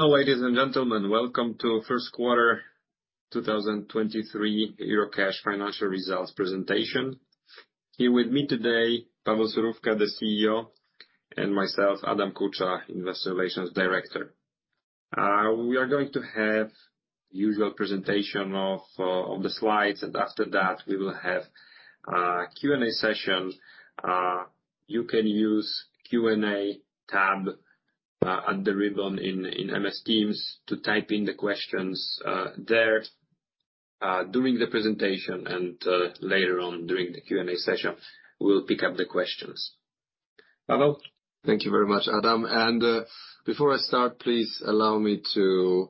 Hello, ladies and gentlemen. Welcome to first quarter 2023 Eurocash financial results presentation. Here with me today, Paweł Surówka, the CEO, and myself, Adam Kucza, Investor Relations Director. We are going to have usual presentation of the slides, and after that, we will have Q&A session. You can use Q&A tab at the ribbon in Microsoft Teams to type in the questions there during the presentation and later on during the Q&A session, we'll pick up the questions. Paweł? Thank you very much, Adam. Before I start, please allow me to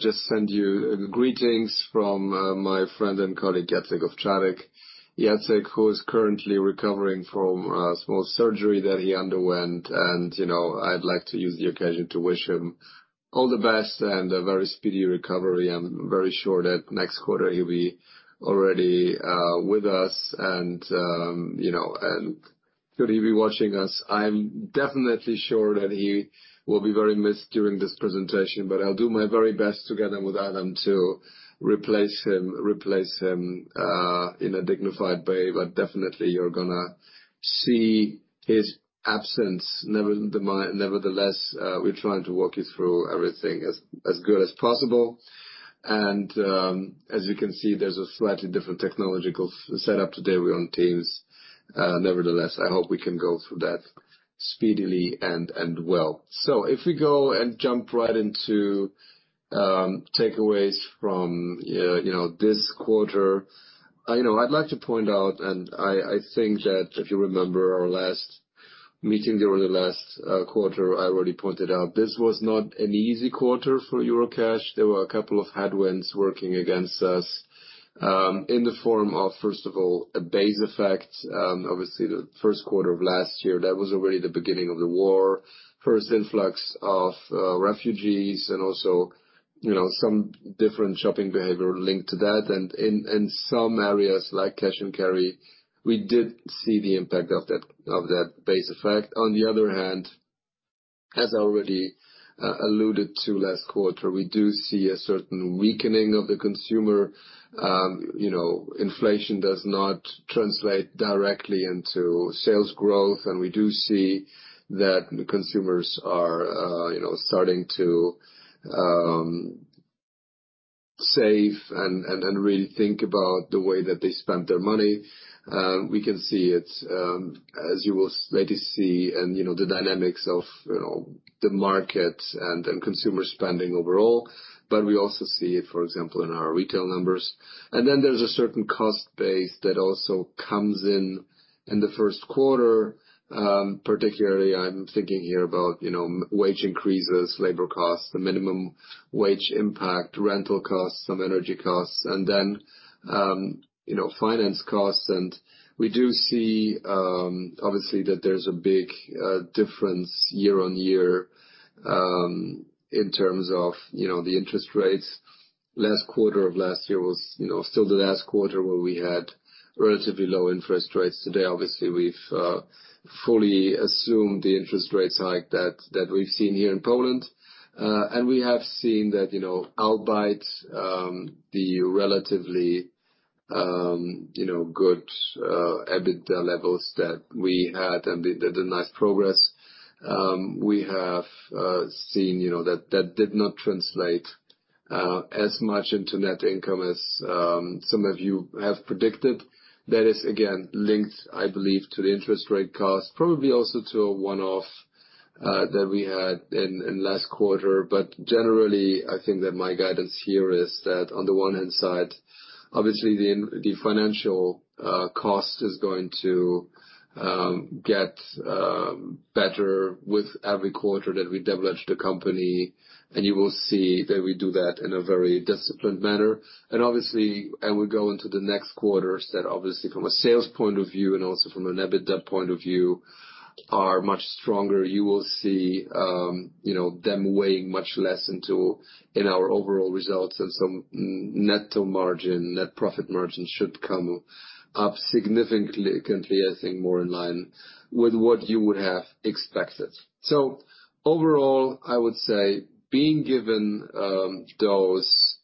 just send you greetings from my friend and colleague, Jacek Owczarek. Jacek, who is currently recovering from a small surgery that he underwent and, you know, I'd like to use the occasion to wish him all the best and a very speedy recovery. I'm very sure that next quarter he'll be already with us and, you know, could he be watching us, I'm definitely sure that he will be very missed during this presentation. I'll do my very best together with Adam to replace him in a dignified way. Definitely you're gonna see his absence. Nevertheless, we're trying to walk you through everything as good as possible and, as you can see, there's a slightly different technological setup today. We're on Teams. Nevertheless, I hope we can go through that speedily and well. If we go and jump right into, takeaways from, you know, this quarter. You know, I'd like to point out and I think that if you remember our last meeting during the last quarter, I already pointed out this was not an easy quarter for Eurocash. There were a couple of headwinds working against us, in the form of, first of all, a base effect. Obviously the first quarter of last year, that was already the beginning of the war. First influx of refugees and also, you know, some different shopping behavior linked to that. In some areas like cash and carry, we did see the impact of that base effect. On the other hand, as I already alluded to last quarter, we do see a certain weakening of the consumer. You know, inflation does not translate directly into sales growth, and we do see that consumers are, you know, starting to save and really think about the way that they spend their money. We can see it, as you will maybe see and, you know, the dynamics of, you know, the market and consumer spending overall. We also see it, for example, in our retail numbers. Then there's a certain cost base that also comes in in the first quarter, particularly I'm thinking here about, you know, wage increases, labor costs, the minimum wage impact, rental costs, some energy costs, and then, you know, finance costs. We do see, obviously, that there's a big difference year-on-year, in terms of, you know, the interest rates. Last quarter of last year was, you know, still the last quarter where we had relatively low interest rates. Today, obviously, we've fully assumed the interest rates hike that we've seen here in Poland. We have seen that, you know, albeit, the relatively, you know, good EBITDA levels that we had and the nice progress, we have seen, you know, that that did not translate as much into net income as some of you have predicted. That is again, linked, I believe, to the interest rate cost, probably also to a one-off that we had in last quarter. Generally, I think that my guidance here is that on the one hand side, obviously the financial cost is going to get better with every quarter that we [deleverage] the company, and you will see that we do that in a very disciplined manner. Obviously, as we go into the next quarters that obviously from a sales point of view and also from an EBITDA point of view are much stronger. You will see, you know, them weighing much less into our overall results and some net to margin, net profit margin should come up significantly, I think more in line with what you would have expected. Overall, I would say being given those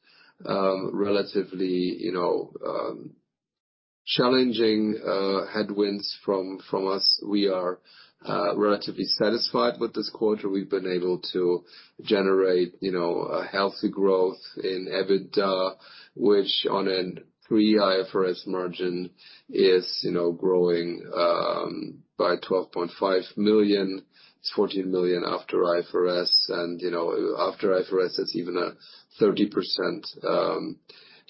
relatively, you know, challenging headwinds from us, we are relatively satisfied with this quarter. We've been able to generate a healthy growth in EBITDA, which on a pre-IFRS margin is growing by 12.5 million. It's 14 million after IFRS and after IFRS, it's even a 30%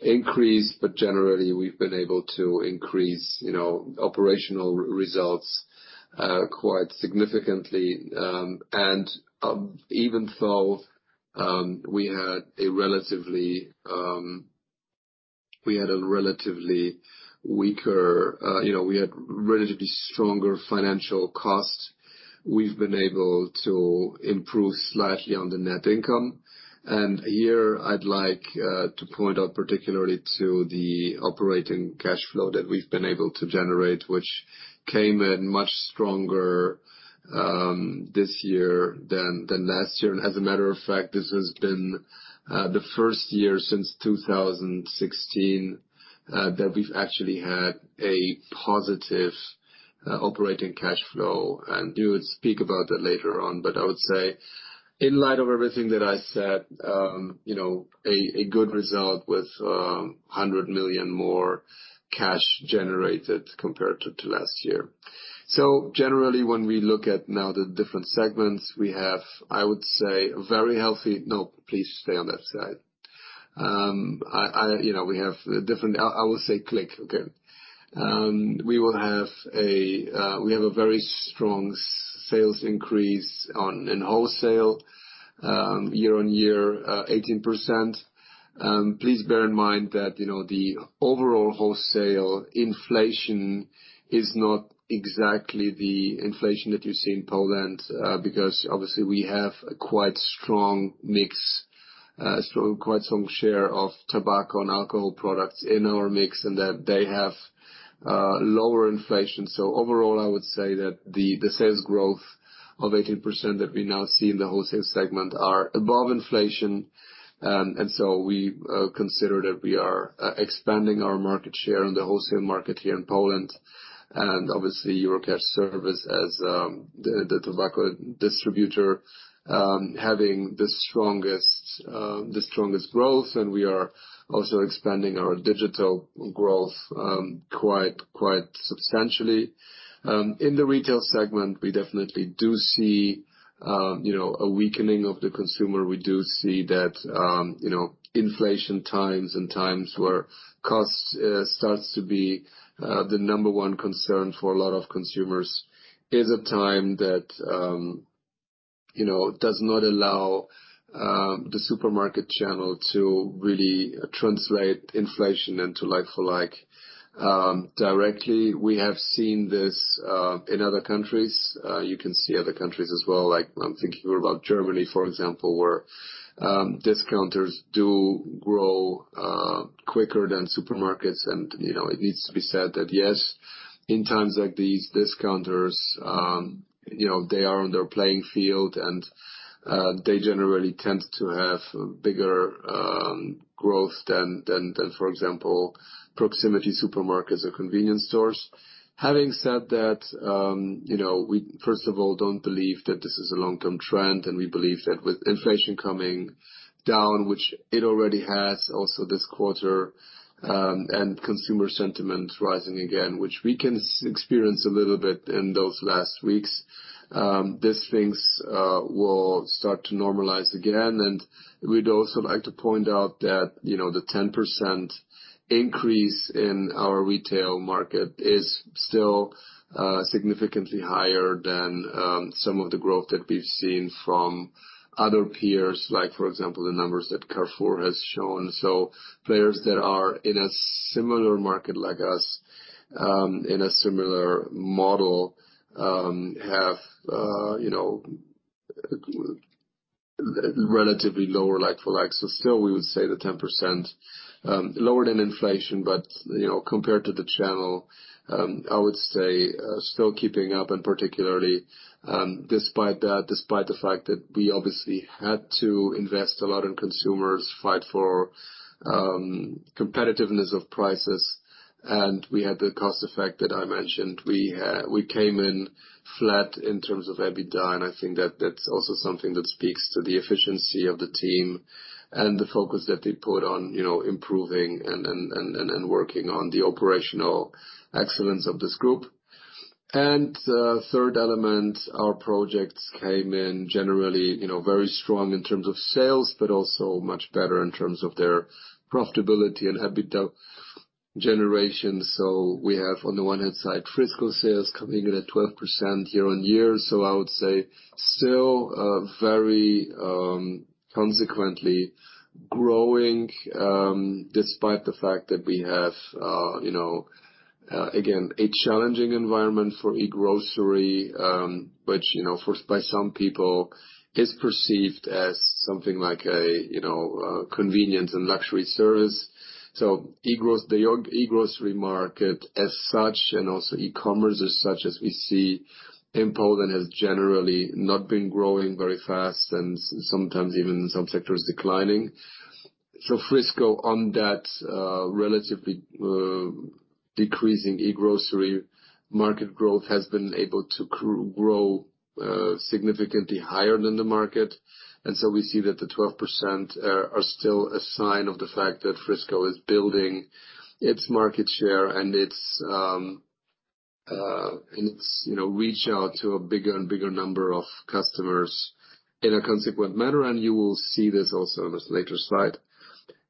increase. Generally, we've been able to increase operational results quite significantly. Even though we had relatively stronger financial costs, we've been able to improve slightly on the net income. Here I'd like to point out particularly to the operating cash flow that we've been able to generate, which came in much stronger this year than last year. As a matter of fact, this has been the first year since 2016 that we've actually had a positive operating cash flow, and you would speak about that later on. I would say in light of everything that I said, you know, a good result with 100 million more cash generated compared to last year. Generally, when we look at now the different segments we have, I would say very healthy... No, please stay on that side. I, you know, we have different... I will say click. Okay. We will have a, we have a very strong sales increase in wholesale year-over-year, 18%. Please bear in mind that the overall wholesale inflation is not exactly the inflation that you see in Poland, because obviously we have a quite strong mix, so quite strong share of tobacco and alcohol products in our mix, and that they have lower inflation. Overall, I would say that the sales growth of 18% that we now see in the wholesale segment are above inflation. We consider that we are expanding our market share in the wholesale market here in Poland and obviously Eurocash Serwis as the tobacco distributor having the strongest growth. We are also expanding our digital growth quite substantially. In the retail segment, we definitely do see a weakening of the consumer. We do see that, you know, inflation times and times where cost starts to be the number one concern for a lot of consumers is a time that, you know, does not allow the supermarket channel to really translate inflation into like-for-like directly. We have seen this in other countries. You can see other countries as well, like I'm thinking about Germany for example, where discounters do grow quicker than supermarkets. You know, it needs to be said that, yes, in times like these discounters, you know, they are on their playing field and they generally tend to have bigger growth than, for example, proximity supermarkets or convenience stores. Having said that, you know, we first of all don't believe that this is a long-term trend, and we believe that with inflation coming down, which it already has also this quarter, and consumer sentiment rising again, which we can experience a little bit in those last weeks, these things will start to normalize again. We'd also like to point out that, you know, the 10% increase in our retail market is still significantly higher than some of the growth that we've seen from other peers like, for example, the numbers that Carrefour has shown. Players that are in a similar market like us, in a similar model, have, you know, relatively lower like-for-like. Still we would say the 10% lower than inflation, but, you know, compared to the channel, I would say, still keeping up, and particularly, despite that, despite the fact that we obviously had to invest a lot in consumers, fight for competitiveness of prices, and we had the cost effect that I mentioned. We came in flat in terms of EBITDA, and I think that that's also something that speaks to the efficiency of the team and the focus that they put on, you know, improving and working on the operational excellence of this group. Third element, our projects came in generally, you know, very strong in terms of sales, but also much better in terms of their profitability and EBITDA generation. We have on the one hand side, Frisco sales coming in at 12% year-on-year. I would say still, very consequently growing, despite the fact that we have, you know, again, a challenging environment for e-grocery, which, you know, by some people is perceived as something like a, you know, convenience and luxury service. The e-grocery market as such, and also e-commerce as such as we see in Poland, has generally not been growing very fast and sometimes even in some sectors declining. Frisco on that relatively decreasing e-grocery market growth has been able to grow significantly higher than the market. We see that the 12% are still a sign of the fact that Frisco is building its market share and its, you know, reach out to a bigger and bigger number of customers in a consequent manner. You will see this also in this later slide.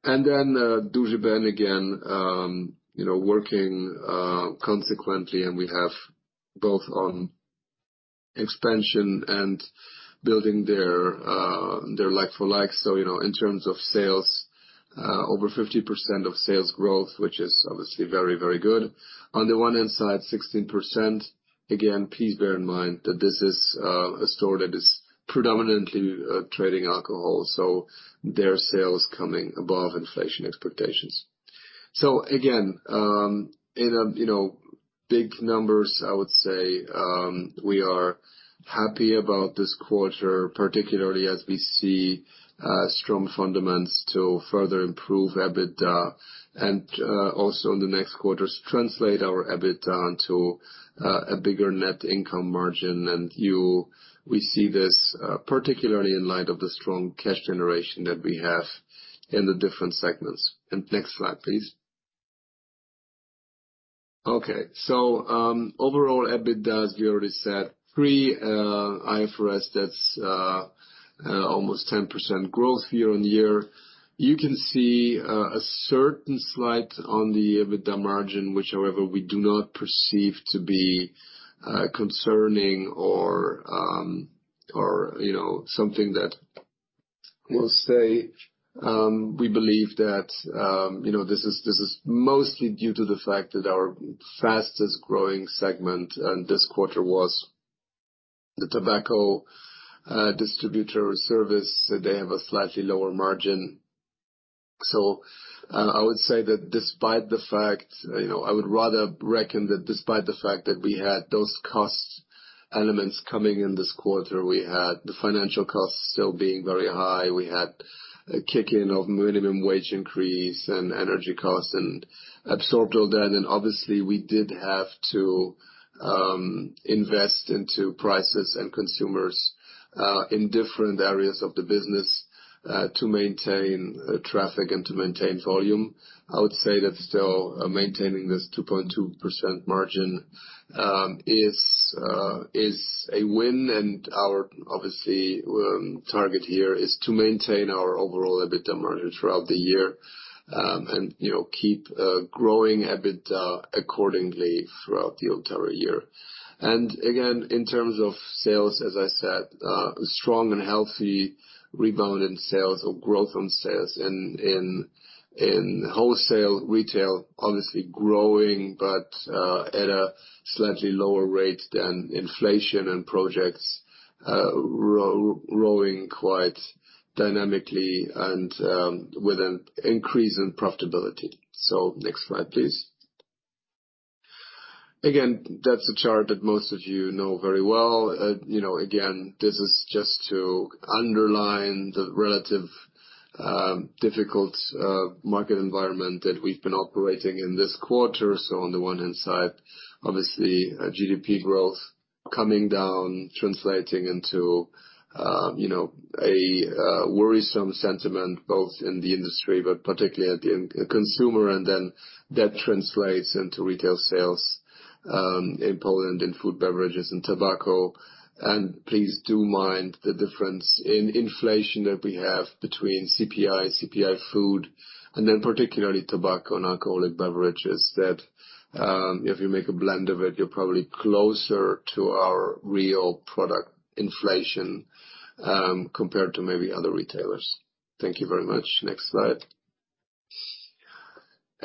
Duży Ben again, you know, working consequently, and we have both on expansion and building their like-for-like. So, you know, in terms of sales, over 50% of sales growth, which is obviously very, very good. On the one hand side, 16%. Again, please bear in mind that this is a store that is predominantly trading alcohol, so their sales coming above inflation expectations. Again, in, you know, big numbers, I would say, we are happy about this quarter, particularly as we see strong fundamentals to further improve EBITDA and also in the next quarters translate our EBITDA into a bigger net income margin. We see this particularly in light of the strong cash generation that we have in the different segments. Next slide, please. Okay. Overall EBITDA, as we already said, pre IFRS, that's almost 10% growth year-on-year. You can see a certain slide on the EBITDA margin, which however we do not perceive to be concerning or, you know, something that we'll say. We believe that, you know, this is mostly due to the fact that our fastest growing segment in this quarter was the tobacco distributor service. They have a slightly lower margin. I would say that despite the fact, you know, I would rather reckon that despite the fact that we had those cost elements coming in this quarter, we had the financial costs still being very high. We had a kick in of minimum wage increase and energy costs and absorbed all that. Obviously, we did have to invest into prices and consumers in different areas of the business to maintain traffic and to maintain volume. I would say that still maintaining this 2.2% margin is a win, and our obviously target here is to maintain our overall EBITDA margin throughout the year, and, you know, keep growing EBITDA accordingly throughout the entire year. Again, in terms of sales, as I said, strong and healthy rebound in sales or growth on sales in wholesale. Retail, obviously growing, but at a slightly lower rate than inflation. Projects growing quite dynamically and with an increase in profitability. Next slide, please. Again, that's a chart that most of you know very well. You know, again, this is just to underline the relative difficult market environment that we've been operating in this quarter. On the one hand side, obviously, GDP growth coming down, translating into, you know, a worrisome sentiment both in the industry, but particularly at the consumer. That translates into retail sales in Poland, in food, beverages and tobacco. Please do mind the difference in inflation that we have between CPI food and then particularly tobacco and alcoholic beverages, that, if you make a blend of it, you're probably closer to our real product inflation compared to maybe other retailers. Thank you very much. Next slide.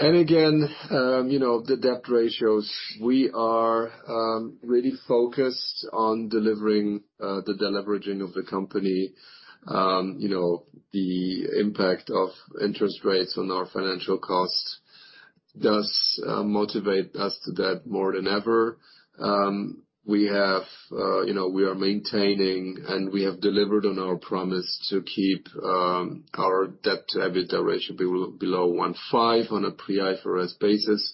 Again, you know, the debt ratios. We are really focused on delivering the deleveraging of the company. You know, the impact of interest rates on our financial costs does motivate us to debt more than ever. We have, you know, we are maintaining, and we have delivered on our promise to keep our debt-to-EBITDA ratio below 1.5 on a pre-IFRS basis.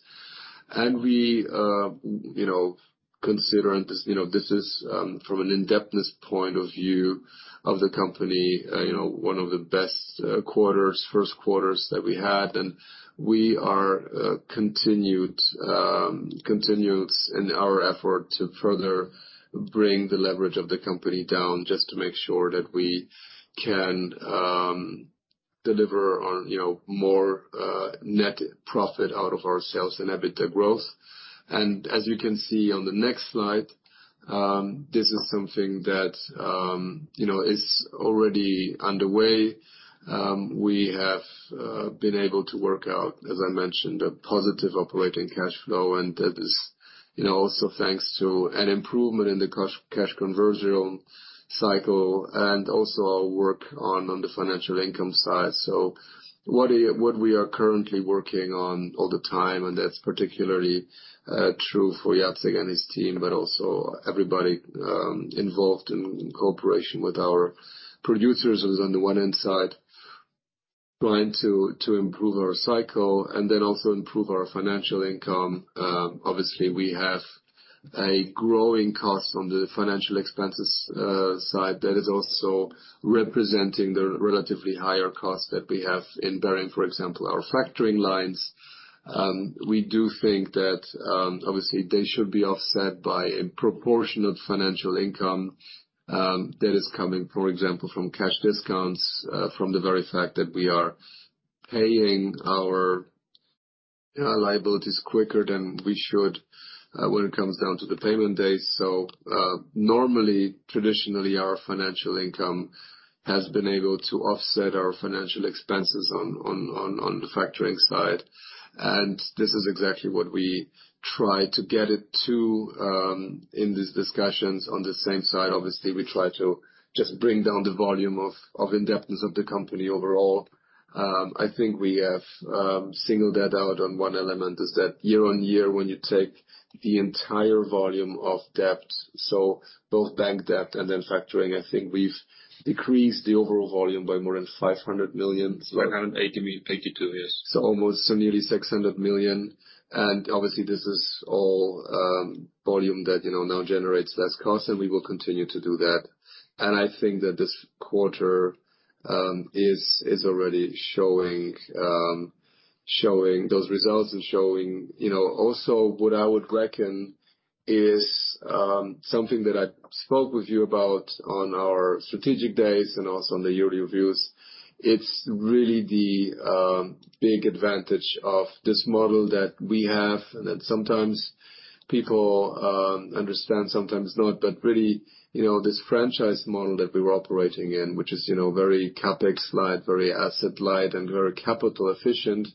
We, you know, considering this, you know, this is from an indebtedness point of view of the company, you know, one of the best quarters, first quarters that we had. We are continued in our effort to further bring the leverage of the company down just to make sure that we can deliver on, you know, more net profit out of our sales and EBITDA growth. As you can see on the next slide, this is something that, you know, is already underway. We have been able to work out, as I mentioned, a positive operating cash flow, and that is, you know, also thanks to an improvement in the cash conversion cycle and also our work on the financial income side. What we are currently working on all the time, and that's particularly true for Jacek and his team, but also everybody involved in cooperation with our producers, is on the one hand side trying to improve our cycle and then also improve our financial income. Obviously, we have a growing cost on the financial expenses side that is also representing the relatively higher cost that we have in bearing, for example, our factoring lines. We do think that, obviously they should be offset by a proportion of financial income that is coming, for example, from cash discounts from the very fact that we are paying our liability is quicker than we should when it comes down to the payment date. Normally, traditionally, our financial income has been able to offset our financial expenses on the factoring side. This is exactly what we try to get it to in these discussions. On the same side, obviously, we try to just bring down the volume of indebtedness of the company overall. I think we have singled that out on one element is that year on year, when you take the entire volume of debt, so both bank debt and then factoring, I think we've decreased the overall volume by more than 500 million. 582 million, yes. Almost nearly 600 million. Obviously this is all volume that, you know, now generates less cost, and we will continue to do that. I think that this quarter is already showing those results and showing, you know, also what I would reckon is something that I spoke with you about on our strategic days and also on the yearly reviews. It's really the big advantage of this model that we have, and that sometimes people understand, sometimes not. Really, you know, this franchise model that we're operating in, which is, you know, very CapEx-light, very asset light, and very capital efficient.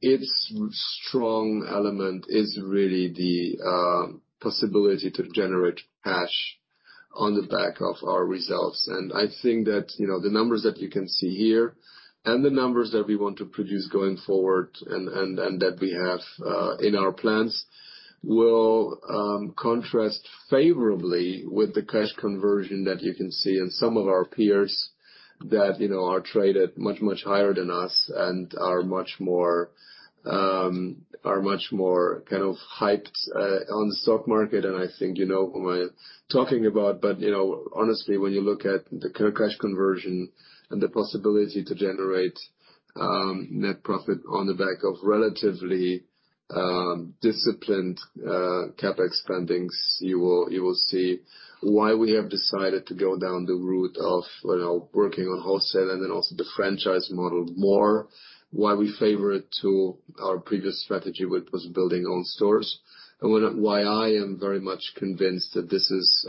Its strong element is really the possibility to generate cash on the back of our results. I think that, you know, the numbers that you can see here and the numbers that we want to produce going forward and that we have in our plans will contrast favorably with the cash conversion that you can see in some of our peers that you know are traded much higher than us and are much more kind of hyped on the stock market. I think you know who I'm talking about. You know, honestly, when you look at the cash conversion and the possibility to generate, net profit on the back of relatively, disciplined, CapEx spendings, you will see why we have decided to go down the route of, you know, working on wholesale and then also the franchise model more, why we favor it to our previous strategy, which was building own stores, and why I am very much convinced that this is,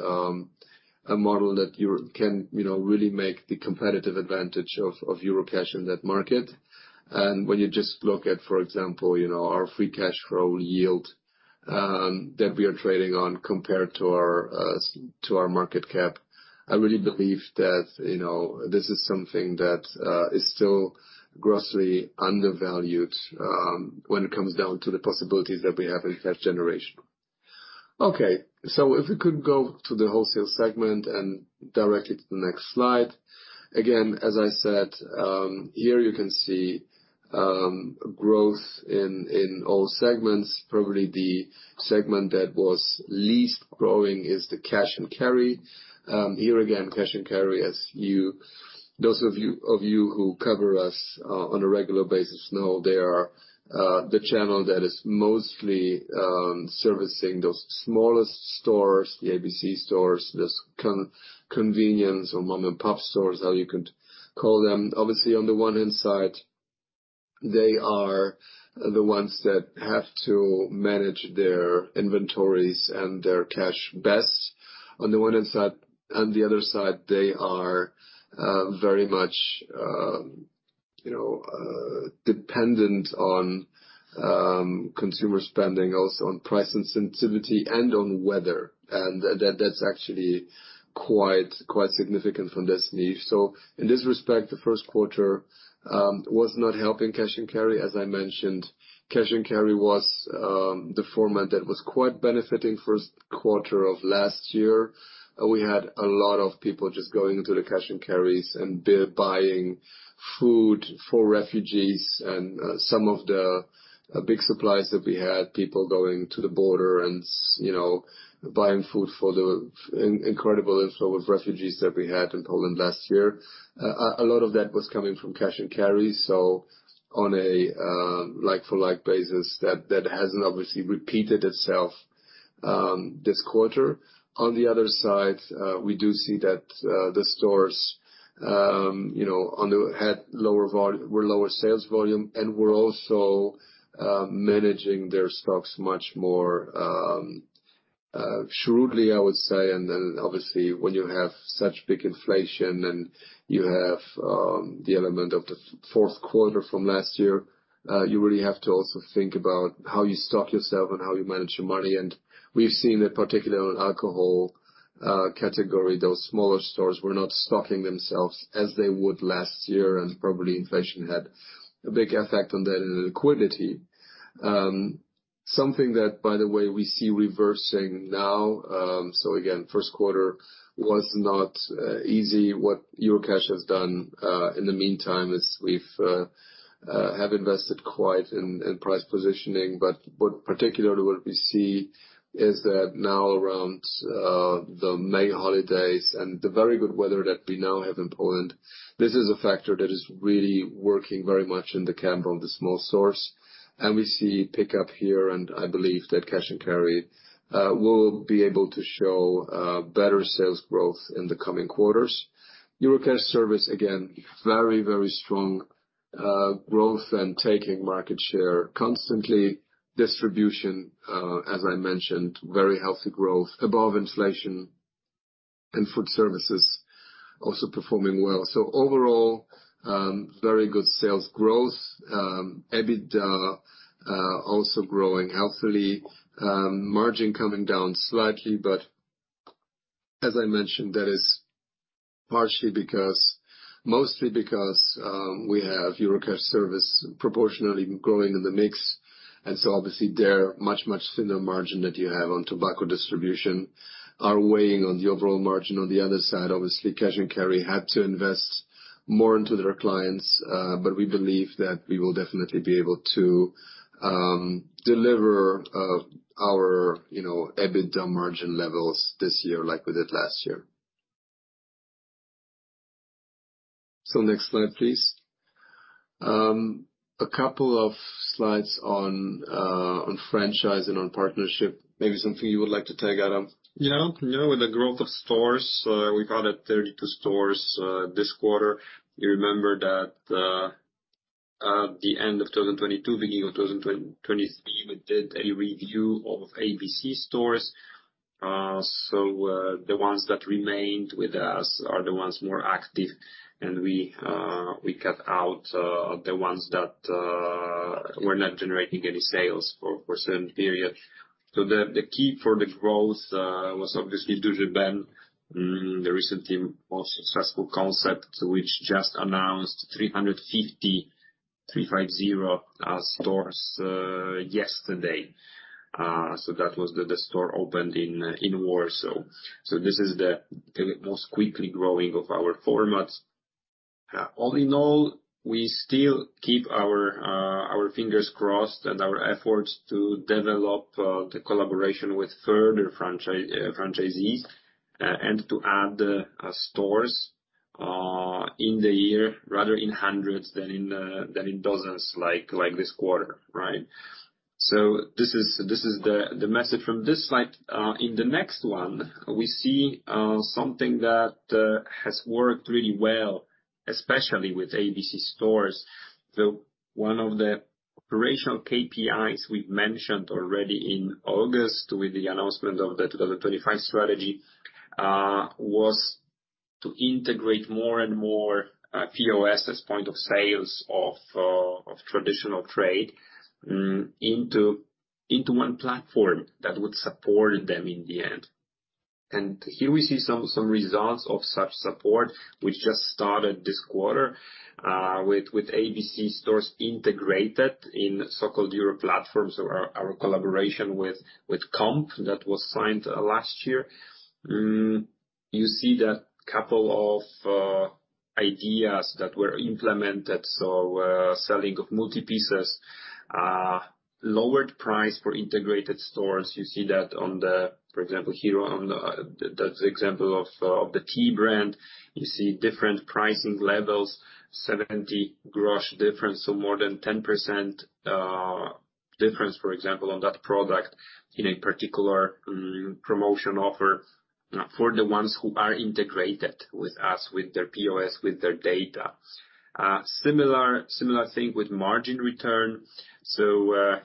a model that you can, you know, really make the competitive advantage of Eurocash in that market. When you just look at, for example, you know, our free cash flow yield that we are trading on compared to our market cap, I really believe that, you know, this is something that is still grossly undervalued when it comes down to the possibilities that we have in cash generation. Okay. If we could go to the wholesale segment and directly to the next slide. Again, as I said, here you can see growth in all segments. Probably the segment that was least growing is the Cash & Carry. Here again, Cash & Carry, as you, those of you who cover us on a regular basis know they are the channel that is mostly servicing those smallest stores, the abc stores, those convenience or mom-and-pop stores, how you could call them. Obviously, on the one hand side, they are the ones that have to manage their inventories and their cash best on the one hand side. On the other side, they are very much, you know, dependent on consumer spending, also on price sensitivity and on weather. That's actually quite significant from this niche. In this respect, the first quarter was not helping Cash & Carry. As I mentioned, Cash & Carry was the format that was quite benefiting first quarter of last year. We had a lot of people just going into the Cash & Carry and buying food for refugees and some of the big supplies that we had, people going to the border and you know, buying food for the incredible inflow of refugees that we had in Poland last year. A lot of that was coming from Cash & Carry. On a like-for-like basis, that hasn't obviously repeated itself this quarter. On the other side, we do see that the stores, you know, had lower sales volume and were also managing their stocks much more shrewdly, I would say. Obviously, when you have such big inflation and you have the element of the fourth quarter from last year, you really have to also think about how you stock yourself and how you manage your money. We've seen in particular with alcohol category, those smaller stores were not stocking themselves as they would last year. Probably inflation had a big effect on that liquidity. Something that, by the way, we see reversing now. Again, first quarter was not easy. What Eurocash has done, in the meantime is we've have invested quite in price positioning, but what particularly what we see is that now around the May holidays and the very good weather that we now have in Poland, this is a factor that is really working very much in the camp of the small stores. We see pickup here. I believe that Cash & Carry will be able to show better sales growth in the coming quarters. Eurocash Serwis, again, very strong growth and taking market share constantly. Distribution, as I mentioned, very healthy growth above inflation and food services also performing well. Overall, very good sales growth. EBITDA also growing healthily. Margin coming down slightly, as I mentioned, that is partially because... Mostly because, we have Eurocash Serwis proportionally growing in the mix. Obviously, their much, much thinner margin that you have on tobacco distribution are weighing on the overall margin. Cash & Carry had to invest more into their clients. We believe that we will definitely be able to deliver our, you know, EBITDA margin levels this year like we did last year. Next slide, please. A couple of slides on franchise and on partnership. Maybe something you would like to tag, Adam? Yeah. With the growth of stores, we've added 32 stores this quarter. You remember that at the end of 2022, beginning of 2023, we did a review of abc stores. The ones that remained with us are the ones more active, and we cut out the ones that were not generating any sales for a certain period. The, the key for the growth was obviously Duży Ben, the recent and most successful concept, which just announced 350 stores yesterday. That was the store opened in Warsaw. This is the most quickly growing of our formats. All in all, we still keep our fingers crossed and our efforts to develop the collaboration with further franchisees and to add stores in the year rather in hundreds than in dozens, like this quarter, right? This is the message from this slide. In the next one, we see something that has worked really well, especially with abc stores. One of the operational KPIs we've mentioned already in August with the announcement of the 2025 strategy was to integrate more and more POS, as point of sales, of traditional trade into one platform that would support them in the end. Here we see some results of such support. We just started this quarter with abc stores integrated in so-called EuroPlatform or our collaboration with Comp that was signed last year. You see that couple of ideas that were implemented. Selling of multi-pieces, lowered price for integrated stores. You see that on the, that example of the T-Brand. You see different pricing levels, 70 gross difference, so more than 10% difference, for example, on that product in a particular promotion offer for the ones who are integrated with us with their POS, with their data. Similar thing with margin return.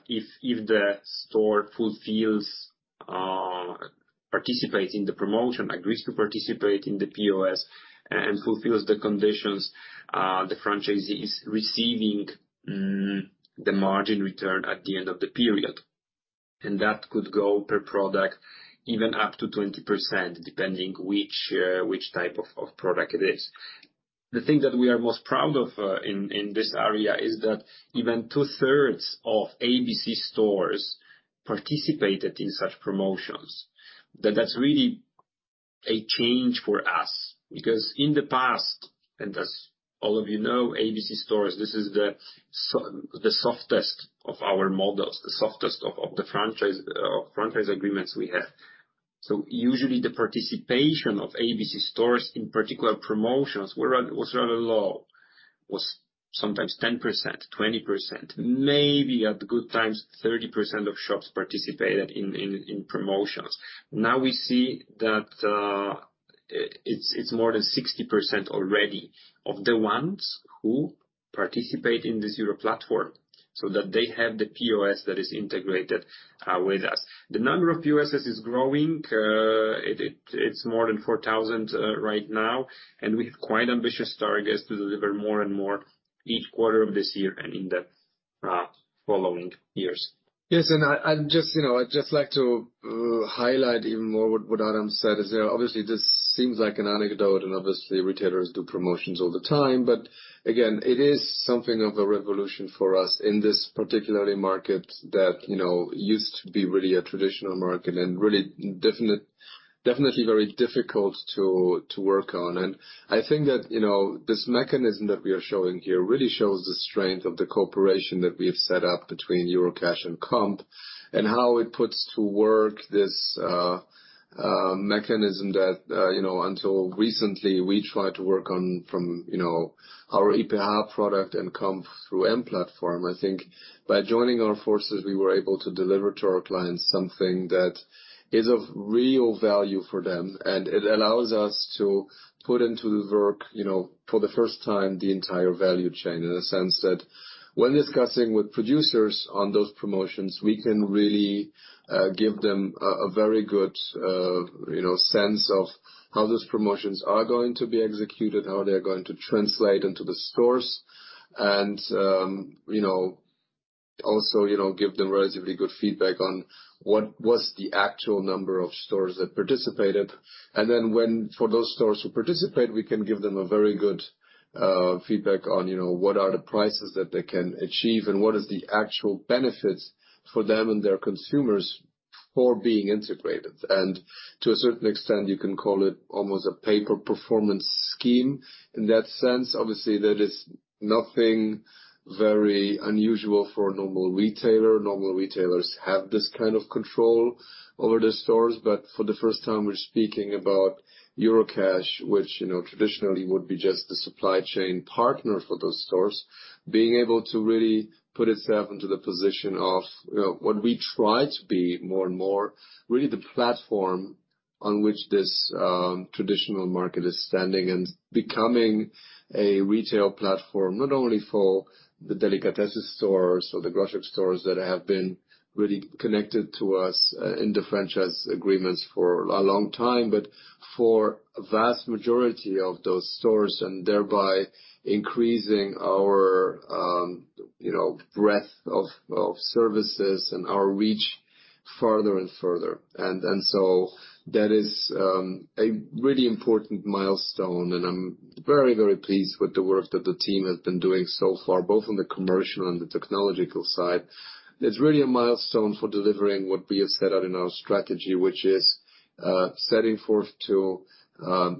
If the store fulfills, participates in the promotion, agrees to participate in the POS and fulfills the conditions, the franchisee is receiving the margin return at the end of the period. That could go per product even up to 20%, depending which type of product it is. The thing that we are most proud of in this area is that even 2/3 of abc stores participated in such promotions. That's really a change for us because in the past, and as all of you know, abc stores, this is the softest of our models, the softest of the franchise agreements we have. Usually the participation of abc stores in particular promotions was rather low. Was sometimes 10%, 20%, maybe at good times, 30% of shops participated in promotions. Now we see that it's more than 60% already of the ones who participate in this EuroPlatform, so that they have the POS that is integrated with us. The number of POS is growing. It's more than 4,000 right now. We have quite ambitious targets to deliver more and more each quarter of this year and in the following years. Yes. I'd just, you know, I'd just like to highlight even more what Adam said is that obviously this seems like an anecdote, and obviously retailers do promotions all the time. Again, it is something of a revolution for us in this particular market that, you know, used to be really a traditional market and really definitely very difficult to work on. I think that, you know, this mechanism that we are showing here really shows the strength of the cooperation that we have set up between Eurocash and Comp and how it puts to work this mechanism that, you know, until recently, we tried to work on from, you know, our ERP product and come through M/platform. I think by joining our forces, we were able to deliver to our clients something that is of real value for them, and it allows us to put into the work, you know, for the first time, the entire value chain. In the sense that when discussing with producers on those promotions, we can really give them a very good, you know, sense of how those promotions are going to be executed, how they're going to translate into the stores. Also, you know, give them relatively good feedback on what was the actual number of stores that participated. Then when, for those stores who participate, we can give them a very good feedback on, you know, what are the prices that they can achieve and what is the actual benefits for them and their consumers for being integrated. To a certain extent, you can call it almost a pay-per-performance scheme. In that sense, obviously, that is nothing very unusual for a normal retailer. Normal retailers have this kind of control over the stores, but for the first time, we're speaking about Eurocash, which, you know, traditionally would be just the supply chain partner for those stores, being able to really put itself into the position of, you know, what we try to be more and more, really the platform on which this traditional market is standing and becoming a retail platform, not only for the Delikatesy stores or the grocery stores that have been really connected to us in the franchise agreements for a long time, but for a vast majority of those stores, and thereby increasing our, you know, breadth of services and our reach farther and further. That is a really important milestone, and I'm very, very pleased with the work that the team has been doing so far, both on the commercial and the technological side. It's really a milestone for delivering what we have set out in our strategy, which is setting forth to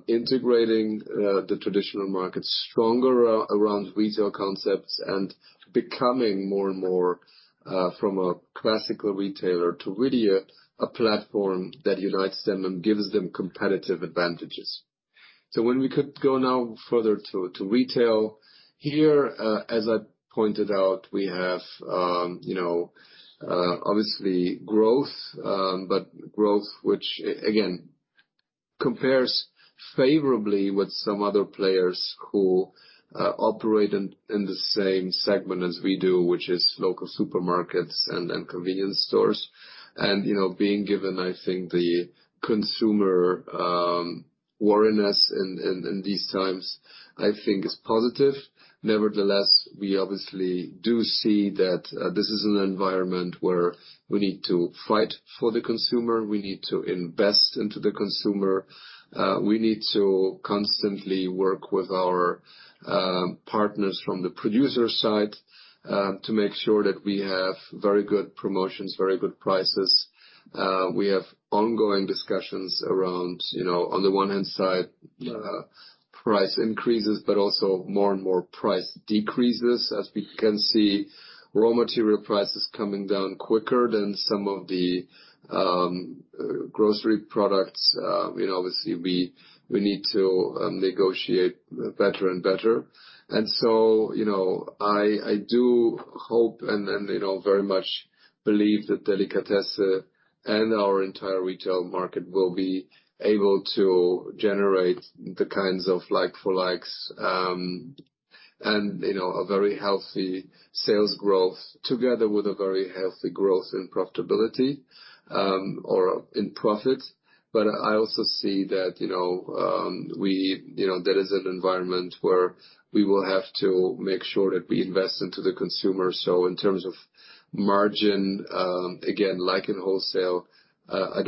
integrating the traditional markets stronger around retail concepts and becoming more and more from a classical retailer to really a platform that unites them and gives them competitive advantages. When we could go now further to retail. Here, as I pointed out, we have, you know, obviously growth, but growth which again, compares favorably with some other players who operate in the same segment as we do, which is local supermarkets and convenience stores. You know, being given, I think, the consumer wariness in, in these times, I think is positive. Nevertheless, we obviously do see that this is an environment where we need to fight for the consumer, we need to invest into the consumer, we need to constantly work with our partners from the producer side to make sure that we have very good promotions, very good prices. We have ongoing discussions around, you know, on the one hand side, price increases, but also more and more price decreases. As we can see raw material prices coming down quicker than some of the grocery products, you know, obviously we need to negotiate better and better. You know, I do hope and, you know, very much believe that Delikatesy and our entire retail market will be able to generate the kinds of like-for-likes, you know, a very healthy sales growth together with a very healthy growth in profitability, or in profit. I also see that, you know, we, that is an environment where we will have to make sure that we invest into the consumer. In terms of margin, again, like in wholesale, I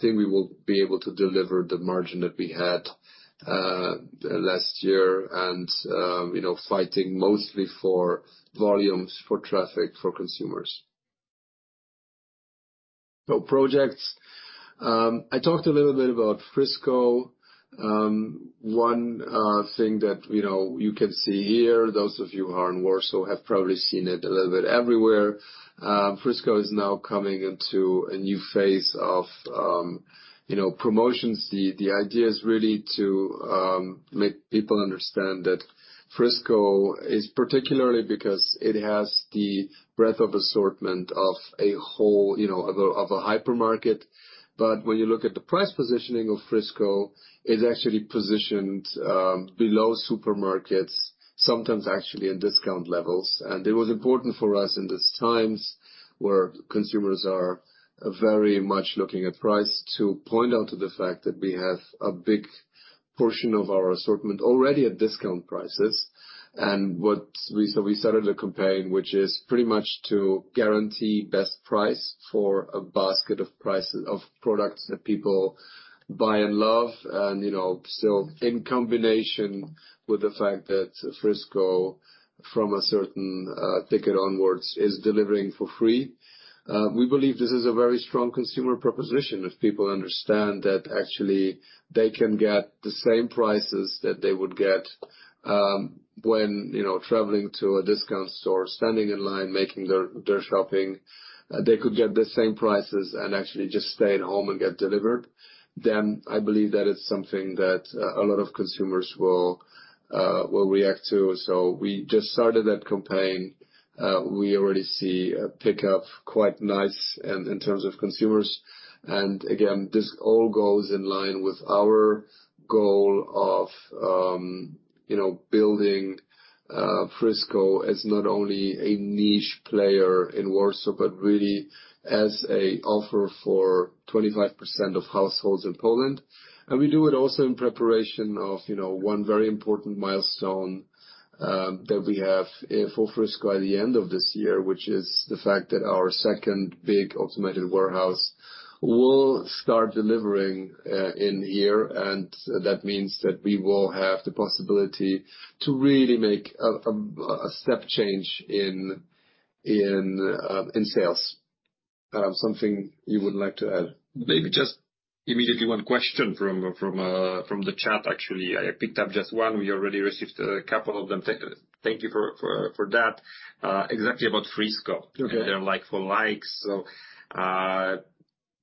think we will be able to deliver the margin that we had last year, and, you know, fighting mostly for volumes, for traffic, for consumers. Projects. I talked a little bit about Frisco. One thing that you can see here, those of you who are in Warsaw have probably seen it a little bit everywhere. Frisco is now coming into a new phase of promotions. The idea is really to make people understand that Frisco is particularly because it has the breadth of assortment of a whole of a hypermarket. When you look at the price positioning of Frisco, it's actually positioned below supermarkets, sometimes actually in discount levels. It was important for us in these times where consumers are very much looking at price to point out to the fact that we have a big portion of our assortment already at discount prices. What... We started a campaign which is pretty much to guarantee best price for a basket of products that people buy and love. In combination with the fact that Frisco, from a certain ticket onwards is delivering for free. We believe this is a very strong consumer proposition. If people understand that actually they can get the same prices that they would get when traveling to a discount store, standing in line, making their shopping, they could get the same prices and actually just stay at home and get delivered, I believe that it's something that a lot of consumers will react to. We just started that campaign. We already see a pickup quite nice in terms of consumers. Again, this all goes in line with our goal of, you know, building Frisco as not only a niche player in Warsaw, but really as a offer for 25% of households in Poland. We do it also in preparation of, you know, one very important milestone that we have for Frisco at the end of this year, which is the fact that our second big automated warehouse will start delivering in here. That means that we will have the possibility to really make a step change in sales. Something you would like to add? Maybe just immediately one question from the chat, actually. I picked up just one. We already received a couple of them. Thank you for that. Exactly about Frisco. Okay. They're like-for-likes.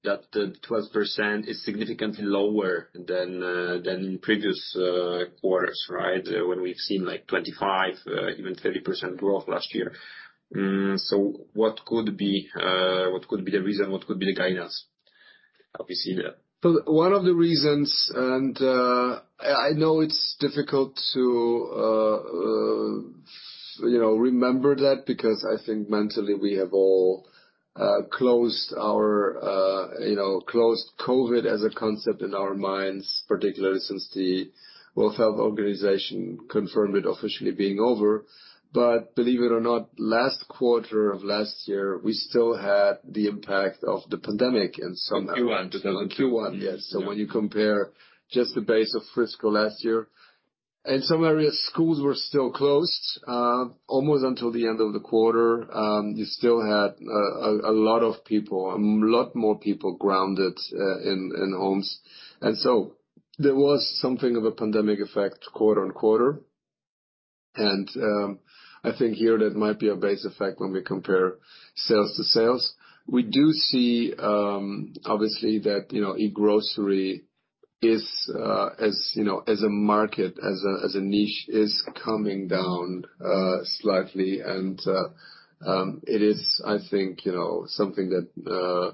That the 12% is significantly lower than previous quarters, right? When we've seen like 25%, even 30% growth last year. What could be the reason? What could be the guidance? How we see that? One of the reasons, and, I know it's difficult to, you know, remember that, because I think mentally we have all, closed our, you know, closed COVID as a concept in our minds, particularly since the World Health Organization confirmed it officially being over. Believe it or not, last quarter of last year, we still had the impact of the pandemic in some areas. In Q1, 2021. In Q1, yes. When you compare just the base of Frisco last year. In some areas, schools were still closed almost until the end of the quarter. You still had a lot of people, a lot more people grounded in homes. There was something of a pandemic effect quarter-on-quarter. I think here that might be a base effect when we compare sales to sales. We do see, obviously that, you know, e-grocery is, as, you know, as a market, as a niche, is coming down slightly. It is, I think, something that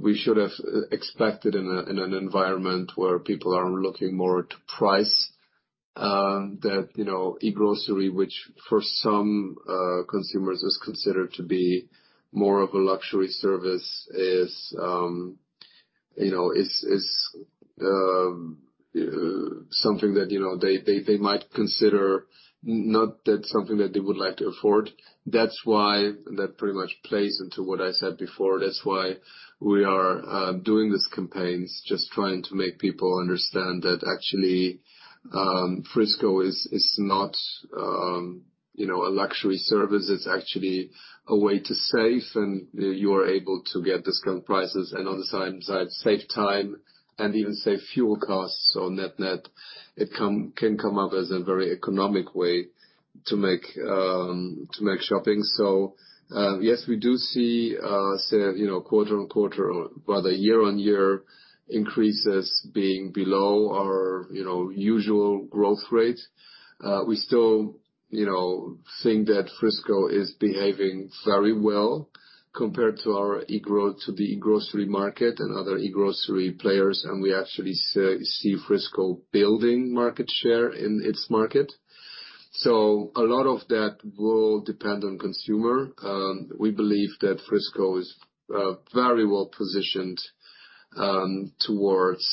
we should have expected in an environment where people are looking more to price, that e-grocery, which for some consumers is considered to be more of a luxury service, is something that they might consider not that something that they would like to afford. That's why that pretty much plays into what I said before. That's why we are doing these campaigns, just trying to make people understand that actually Frisco is not a luxury service. It's actually a way to save, and you are able to get discount prices and on the same side, save time and even save fuel costs. Net-net, it can come up as a very economic way to make shopping. Yes, we do see, you know, quarter-on-quarter, or rather year-on-year increases being below our, you know, usual growth rate. We still, you know, think that Frisco is behaving very well compared to the e-grocery market and other e-grocery players. We actually see Frisco building market share in its market. A lot of that will depend on consumer. We believe that Frisco is very well-positioned towards,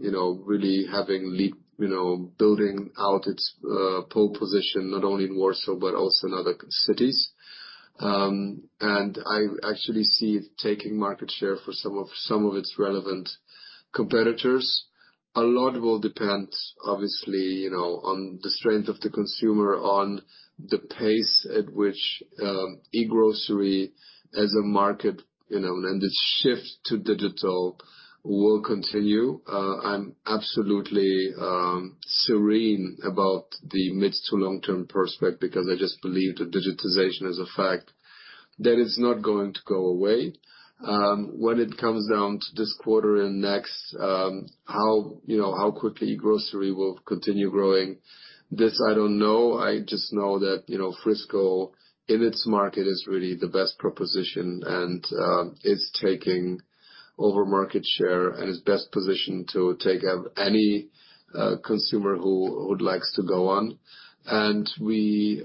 you know, really having lead, you know, building out its pole position not only in Warsaw but also in other cities. I actually see it taking market share for some of its relevant competitors. A lot will depend, obviously, you know, on the strength of the consumer, on the pace at which e-grocery as a market, you know, and the shift to digital will continue. I'm absolutely serene about the mid to long-term prospect because I just believe that digitization is a fact that is not going to go away. When it comes down to this quarter and next, how, you know, how quickly grocery will continue growing, this I don't know. I just know that, you know, Frisco in its market is really the best proposition and is taking over market share and is best positioned to take up any consumer who would likes to go on. We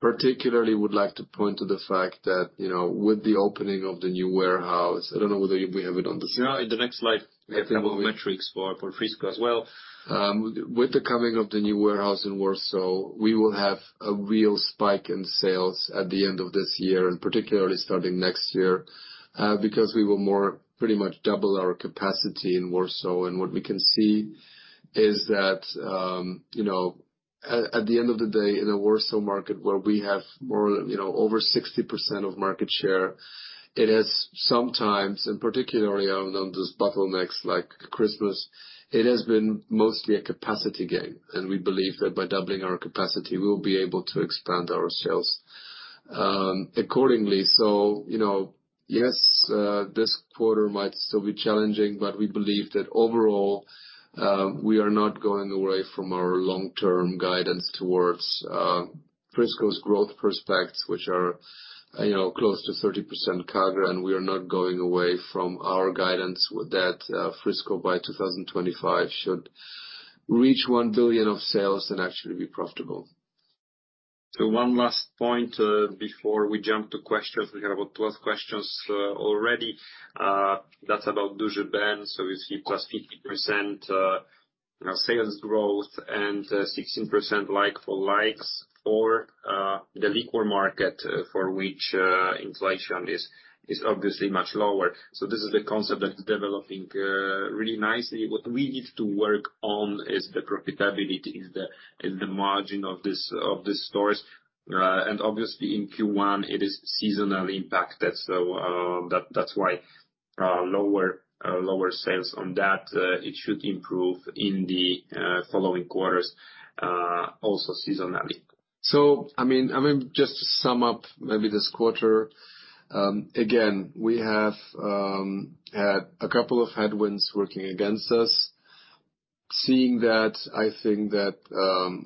particularly would like to point to the fact that, you know, with the opening of the new warehouse, I don't know whether we have it on the slide. Yeah, in the next slide, I think, metrics for Frisco as well. With the coming of the new warehouse in Warsaw, we will have a real spike in sales at the end of this year and particularly starting next year, because we will more pretty much double our capacity in Warsaw. What we can see is that, you know, at the end of the day, in a wholesale market where we have more than, you know, over 60% of market share, it has sometimes, and particularly around those bottlenecks like Christmas, it has been mostly a capacity game. We believe that by doubling our capacity, we will be able to expand our sales accordingly. You know, yes, this quarter might still be challenging, but we believe that overall, we are not going away from our long-term guidance towards Frisco's growth prospects, which are, you know, close to 30% CAGR. We are not going away from our guidance with that, Frisco by 2025 should reach 1 billion of sales and actually be profitable. One last point before we jump to questions. We have about 12 questions already. That's about Duży Ben. We see +50% you know, sales growth and 16% like-for-like for the liquor market, for which inflation is obviously much lower. This is a concept that's developing really nicely. What we need to work on is the profitability is the margin of these stores. Obviously, in Q1, it is seasonal impact. That's why lower sales on that. It should improve in the following quarters also seasonally. I mean, just to sum up maybe this quarter, again, we have had a couple of headwinds working against us. Seeing that, I think that,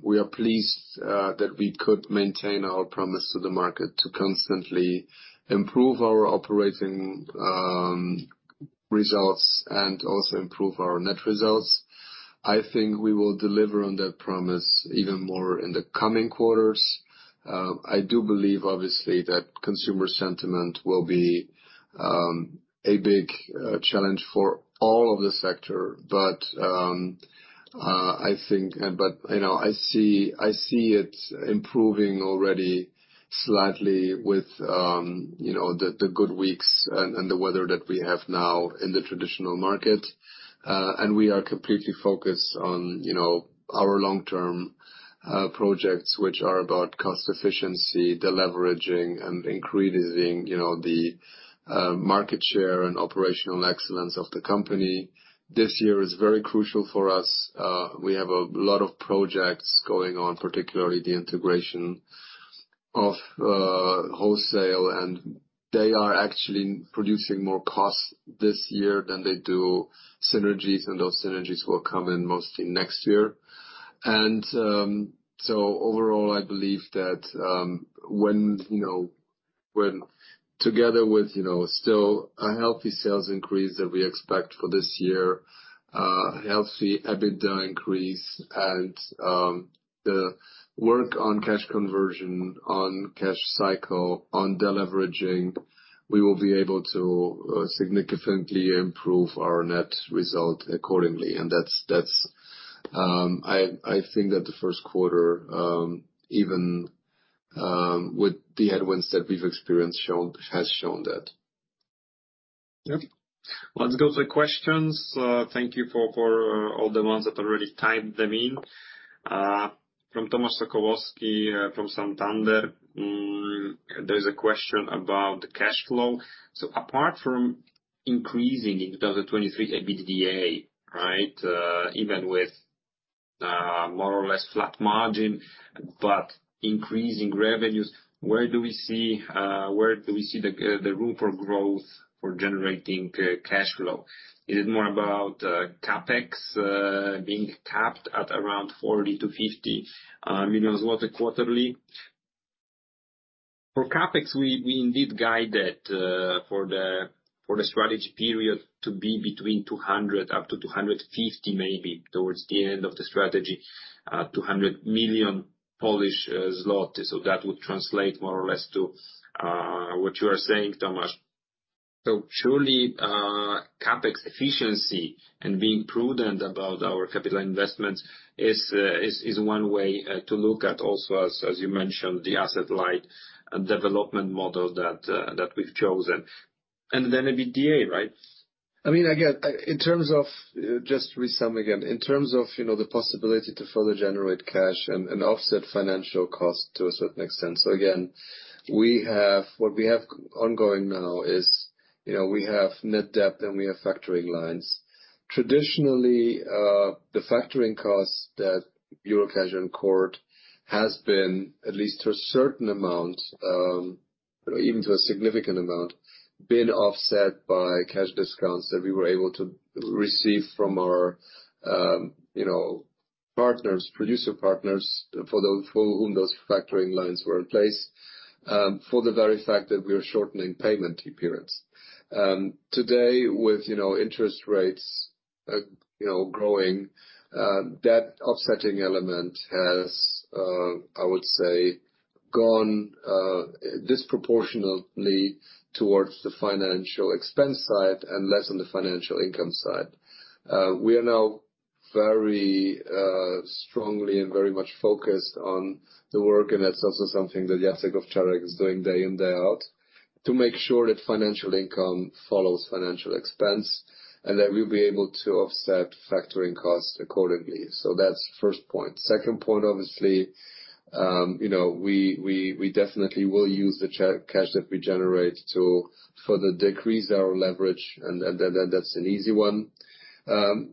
we are pleased that we could maintain our promise to the market to constantly improve our operating results and also improve our net results. I think we will deliver on that promise even more in the coming quarters. I do believe, obviously, that consumer sentiment will be a big challenge for all of the sector. You know, I see it improving already slightly with, you know, the good weeks and the weather that we have now in the traditional market. We are completely focused on, you know, our long-term projects, which are about cost efficiency, deleveraging and increasing, you know, the market share and operational excellence of the company. This year is very crucial for us. We have a lot of projects going on, particularly the integration of wholesale. They are actually producing more costs this year than they do synergies, and those synergies will come in mostly next year. Overall, I believe that when, you know, when together with, you know, still a healthy sales increase that we expect for this year, healthy EBITDA increase and the work on cash conversion, on cash cycle, on deleveraging, we will be able to significantly improve our net result accordingly. That's I think that the first quarter, even with the headwinds that we've experienced, has shown that. Yep. Let's go to questions. Thank you for all the ones that already typed them in. From Tomasz Sokołowski, from Santander. There's a question about the cash flow. Apart from increasing in 2023 EBITDA, right? Even with more or less flat margin, but increasing revenues, where do we see the room for growth for generating cash flow? Is it more about CapEx being capped at around 40 million-50 million zloty quarterly? For CapEx, we indeed guide that for the strategy period to be between 200 million up to 250 million, maybe towards the end of the strategy, 200 million Polish zloty. That would translate more or less to what you are saying, Tomasz. Surely, CapEx efficiency and being prudent about our capital investments is one way to look at also, as you mentioned, the asset-light development model that we've chosen. Then EBITDA, right? I mean, again, in terms of, you know, the possibility to further generate cash and offset financial cost to a certain extent. Again, what we have ongoing now is, you know, we have net debt and we have factoring lines. Traditionally, the factoring costs that Eurocash incurred has been at least to a certain amount, even to a significant amount, been offset by cash discounts that we were able to receive from our, you know, partners, producer partners for whom those factoring lines were in place, for the very fact that we are shortening payment periods. Today with, you know, interest rates, you know, growing, that offsetting element has, I would say, gone disproportionately towards the financial expense side and less on the financial income side. We are now very strongly and very much focused on the work, and that's also something that Jacek Owczarek is doing day in, day out, to make sure that financial income follows financial expense and that we'll be able to offset factoring costs accordingly. That's first point. Second point, obviously, you know, we definitely will use the cash that we generate to further decrease our leverage and that's an easy one.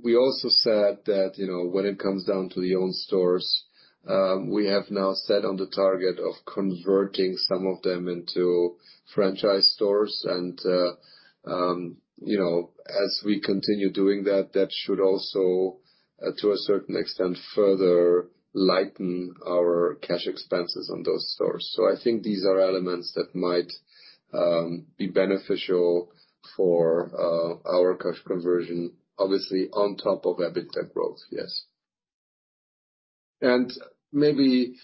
We also said that, you know, when it comes down to the owned stores, we have now set on the target of converting some of them into franchise stores and, you know, as we continue doing that should also to a certain extent, further lighten our cash expenses on those stores. I think these are elements that might be beneficial for our cash conversion, obviously on top of EBITDA growth, yes. Maybe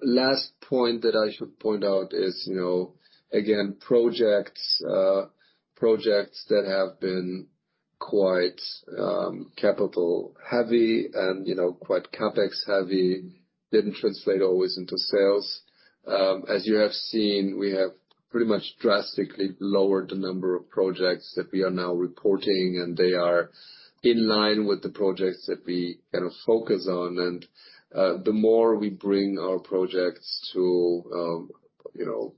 last point that I should point out is, you know, again, projects. Projects that have been quite capital heavy and, you know, quite CapEx heavy didn't translate always into sales. As you have seen, we have pretty much drastically lowered the number of projects that we are now reporting, and they are in line with the projects that we kind of focus on. The more we bring our projects to, you know,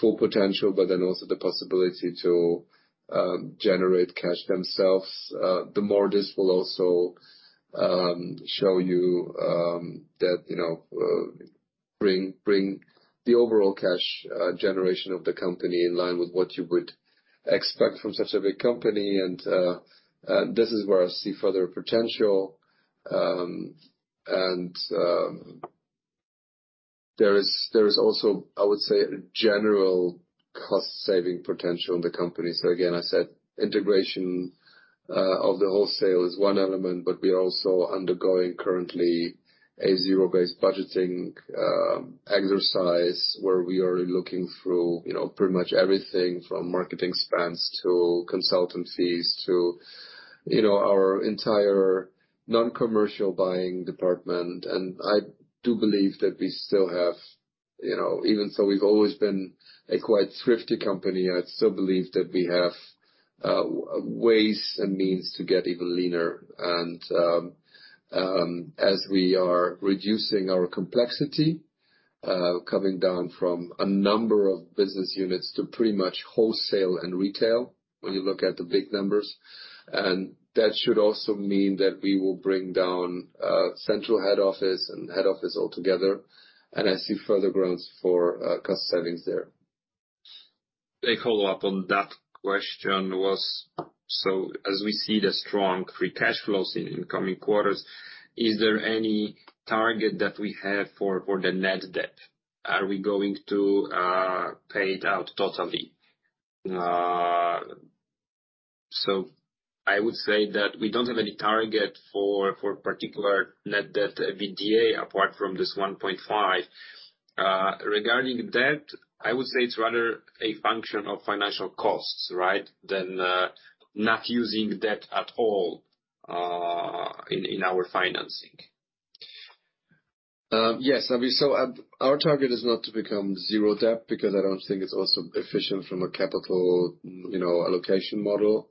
full potential but then also the possibility to generate cash themselves, the more this will also show you that, you know, bring the overall cash generation of the company in line with what you would expect from such a big company and this is where I see further potential. There is also, I would say, a general cost-saving potential in the company. Again, I said integration of the wholesale is one element, but we are also undergoing currently a zero-based budgeting exercise where we are looking through, you know, pretty much everything from marketing spends to consultant fees, to, you know, our entire non-commercial buying department. I do believe that we still have, you know, even so we've always been a quite thrifty company, I still believe that we have ways and means to get even leaner. As we are reducing our complexity, coming down from a number of business units to pretty much wholesale and retail, when you look at the big numbers. That should also mean that we will bring down central head office and head office altogether. I see further grounds for cost savings there. A follow-up on that question was, so as we see the strong free cash flows in coming quarters, is there any target that we have for the net debt? Are we going to pay it out totally? I would say that we don't have any target for particular net debt EBITDA, apart from this 1.5. Regarding debt, I would say it's rather a function of financial costs, right? Than not using debt at all in our financing. Yes. I mean, our target is not to become zero debt because I don't think it's also efficient from a capital, you know, allocation model.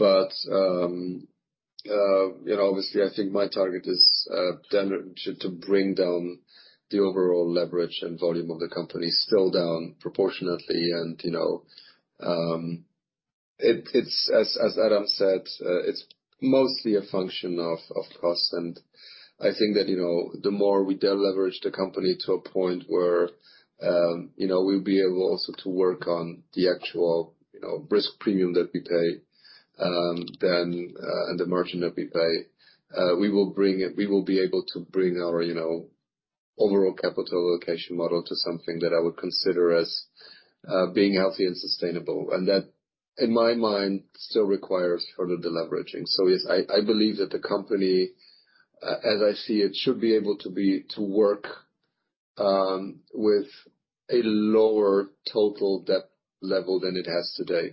You know, obviously, I think my target is then to bring down the overall leverage and volume of the company still down proportionately and, you know, it's as Adam said, it's mostly a function of cost. I think that, you know, the more we deleverage the company to a point where, you know, we'll be able also to work on the actual, you know, risk premium that we pay, then and the margin that we pay, we will be able to bring our, you know, overall capital allocation model to something that I would consider as being healthy and sustainable. That, in my mind, still requires further deleveraging. Yes, I believe that the company, as I see it, should be able to work with a lower total debt level than it has today.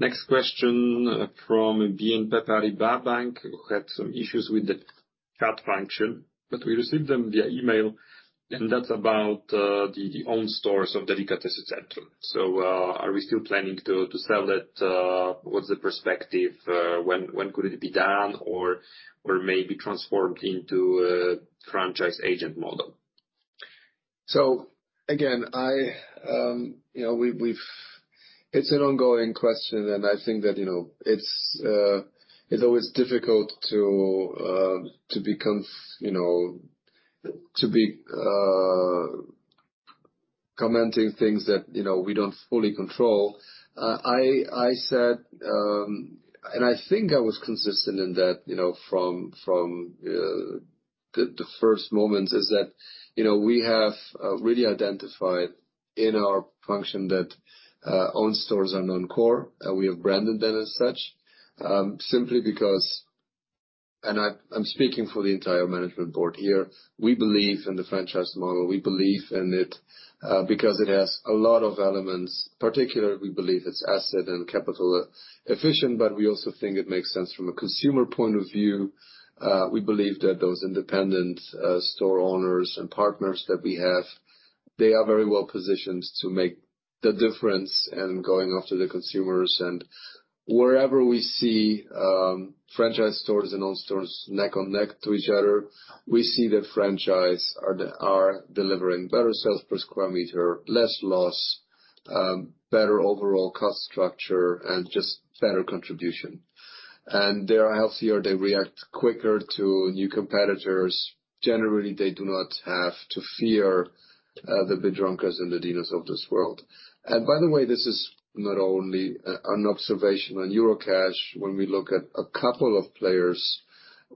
Next question from BNP Paribas Bank, who had some issues with the chat function, but we received them via email, and that's about the own stores of Delikatesy Centrum. Are we still planning to sell that? What's the perspective? When could it be done or maybe transformed into a franchise agent model? Again, I, you know, it's an ongoing question, and I think that, you know, it's always difficult to become, you know, to be commenting things that, you know, we don't fully control. I said, and I think I was consistent in that, you know, from the first moments is that, you know, we have really identified in our function that own stores are non-core, and we have branded them as such, simply because. I'm speaking for the entire management board here. We believe in the franchise model. We believe in it because it has a lot of elements. Particularly, we believe it's asset and capital efficient, but we also think it makes sense from a consumer point of view. We believe that those independent store owners and partners that we have, they are very well-positioned to make the difference in going after the consumers. Wherever we see, franchise stores and own stores neck and neck to each other, we see that franchise are delivering better sales per square meter, less loss, better overall cost structure and just better contribution. They are healthier. They react quicker to new competitors. Generally, they do not have to fear the Biedronkas and the Dinos of this world. By the way, this is not only an observation on Eurocash. When we look at a couple of players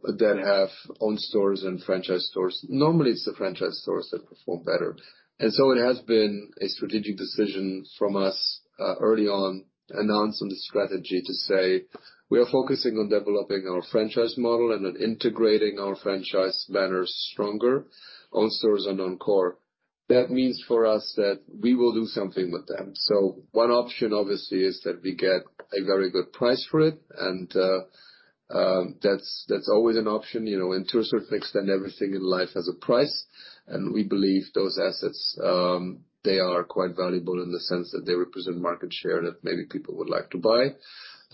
that have own stores and franchise stores, normally it's the franchise stores that perform better. It has been a strategic decision from us early on, announcing the strategy to say, we are focusing on developing our franchise model and then integrating our franchise banner stronger, own stores and own core. That means for us that we will do something with them. One option, obviously, is that we get a very good price for it, and that's always an option. You know, in two sorts of extent, everything in life has a price. We believe those assets, they are quite valuable in the sense that they represent market share that maybe people would like to buy.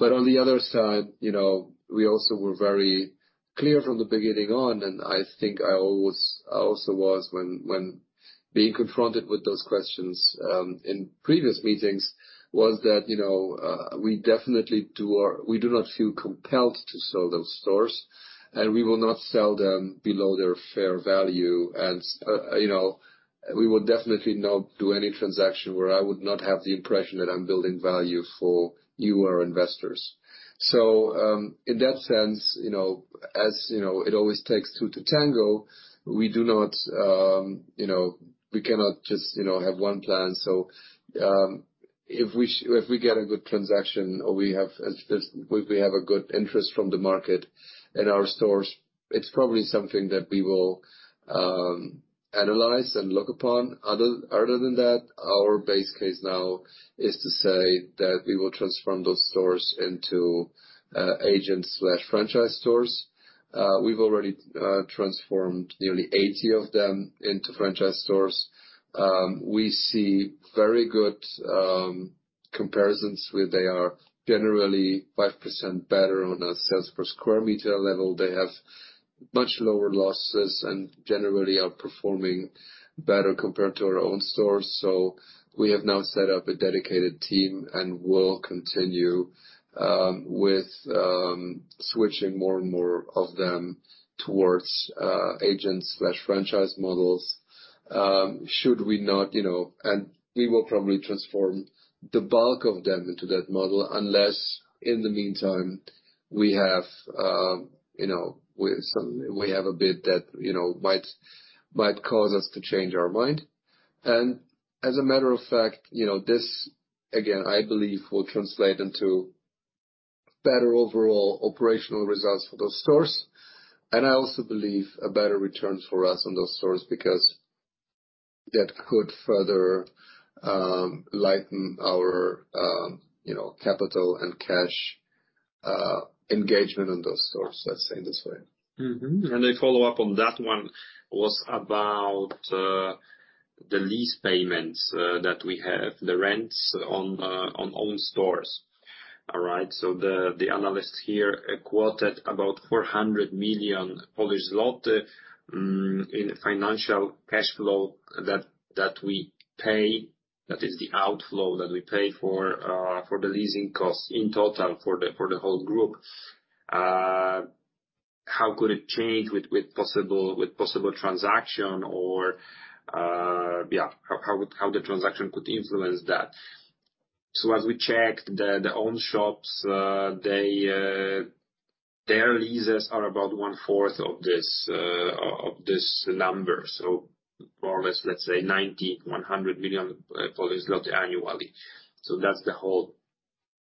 On the other side, you know, we also were very clear from the beginning on, and I think I always, I also was when being confronted with those questions in previous meetings, was that, you know, we definitely do not feel compelled to sell those stores, and we will not sell them below their fair value. You know, we will definitely not do any transaction where I would not have the impression that I'm building value for you or investors. In that sense, you know, as you know, it always takes two to tango. We do not, you know, we cannot just, you know, have one plan. If we get a good transaction or if we have a good interest from the market in our stores, it's probably something that we will analyze and look upon. Other than that, our base case now is to say that we will transform those stores into agent/franchise stores. We've already transformed nearly 80 of them into franchise stores. We see very good comparisons, where they are generally 5% better on a sales per square meter level. They have much lower losses and generally are performing better compared to our own stores. We have now set up a dedicated team and will continue with switching more and more of them towards agent/franchise models. Should we not, you know... We will probably transform the bulk of them into that model, unless, in the meantime, we have, you know, we have a bid that, you know, might cause us to change our mind. As a matter of fact, you know, this, again, I believe, will translate into better overall operational results for those stores, and I also believe, better returns for us on those stores because that could further lighten our, you know, capital and cash engagement on those stores. Let's say it this way. A follow-up on that one was about the lease payments that we have, the rents on own stores. All right? The analyst here quoted about 400 million Polish zloty in financial cash flow that we pay, that is the outflow that we pay for the leasing costs in total for the whole group. How could it change with possible transaction or, yeah, how would the transaction could influence that? As we checked the own shops, they their leases are about one-fourth of this number. More or less, let's say 90 million-100 million Polish zloty annually. That's the whole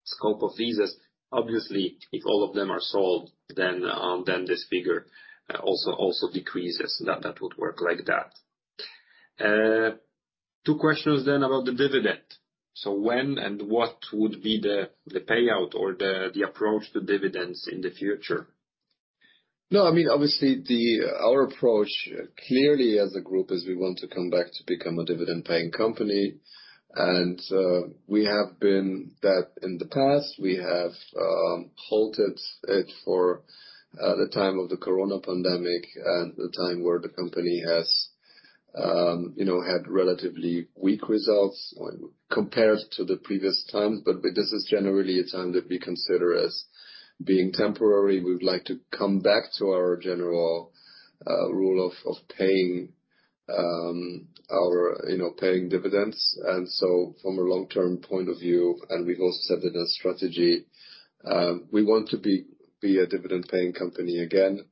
scope of leases. Obviously, if all of them are sold, then this figure also decreases. That would work like that. Two questions about the dividend. When and what would be the payout or the approach to dividends in the future? No, I mean, obviously the, our approach clearly as a group is we want to come back to become a dividend-paying company. We have been that in the past. We have halted it for the time of the corona pandemic and the time where the company has, you know, had relatively weak results compared to the previous times. This is generally a time that we consider as being temporary. We'd like to come back to our general rule of paying, our, you know, paying dividends. From a long-term point of view, and we've also said it as strategy, we want to be a dividend-paying company again.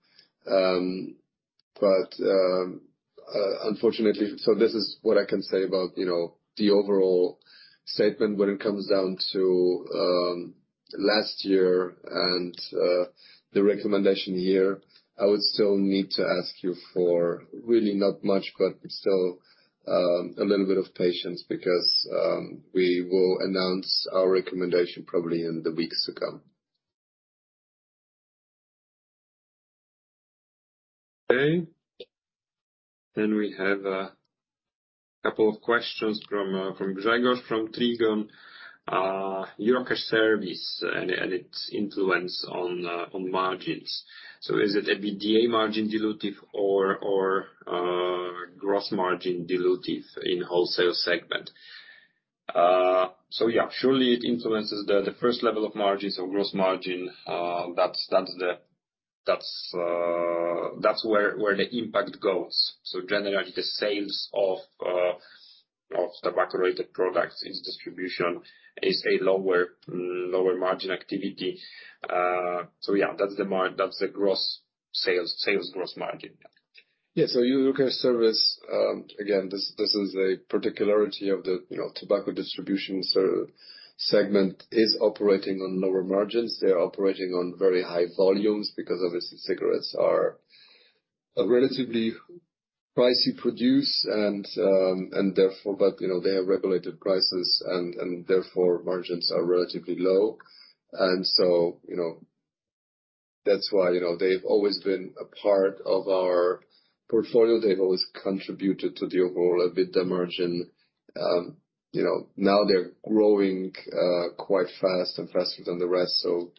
Unfortunately. This is what I can say about, you know, the overall statement. When it comes down to last year and the recommendation year, I would still need to ask you for, really not much, but still, a little bit of patience because we will announce our recommendation probably in the weeks to come. Okay. We have a couple of questions from Grzegorz, from Trigon. Eurocash Serwis and its influence on margins. Is it EBITDA margin dilutive or gross margin dilutive in wholesale segment? Yeah, surely it influences the first level of margins or gross margin. That's where the impact goes. Generally, the sales of tobacco-related products, its distribution is a lower margin activity. Yeah, that's the gross sales gross margin. Yeah. Eurocash Serwis, again, this is a particularity of the, you know, tobacco distribution segment, is operating on lower margins. They are operating on very high volumes because obviously cigarettes are a relatively pricey produce and therefore but, you know, they have regulated prices and therefore margins are relatively low. That's why, you know, they've always been a part of our portfolio. They've always contributed to the overall EBITDA margin. You know, now they're growing quite fast and faster than the rest, so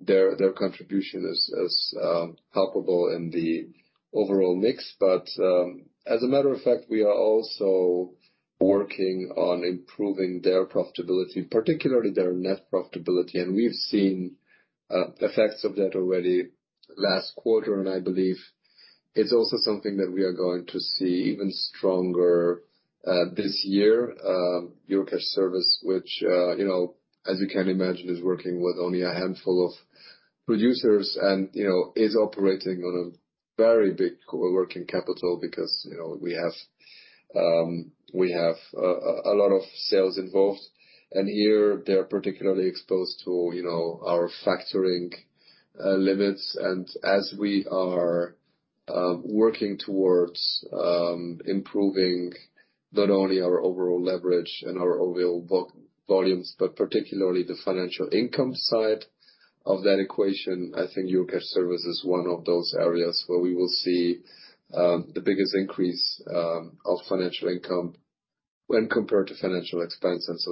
their contribution is palpable in the overall mix. As a matter of fact, we are also working on improving their profitability, particularly their net profitability. We've seen effects of that already last quarter, and I believe it's also something that we are going to see even stronger this year. Eurocash Serwis, which, you know, as you can imagine, is working with only a handful of producers and, you know, is operating on a very big working capital because, you know, we have a lot of sales involved. Here they're particularly exposed to, you know, our factoring limits. As we are working towards improving not only our overall leverage and our overall volumes, but particularly the financial income side of that equation, I think Eurocash Serwis is one of those areas where we will see the biggest increase of financial income when compared to financial expenses.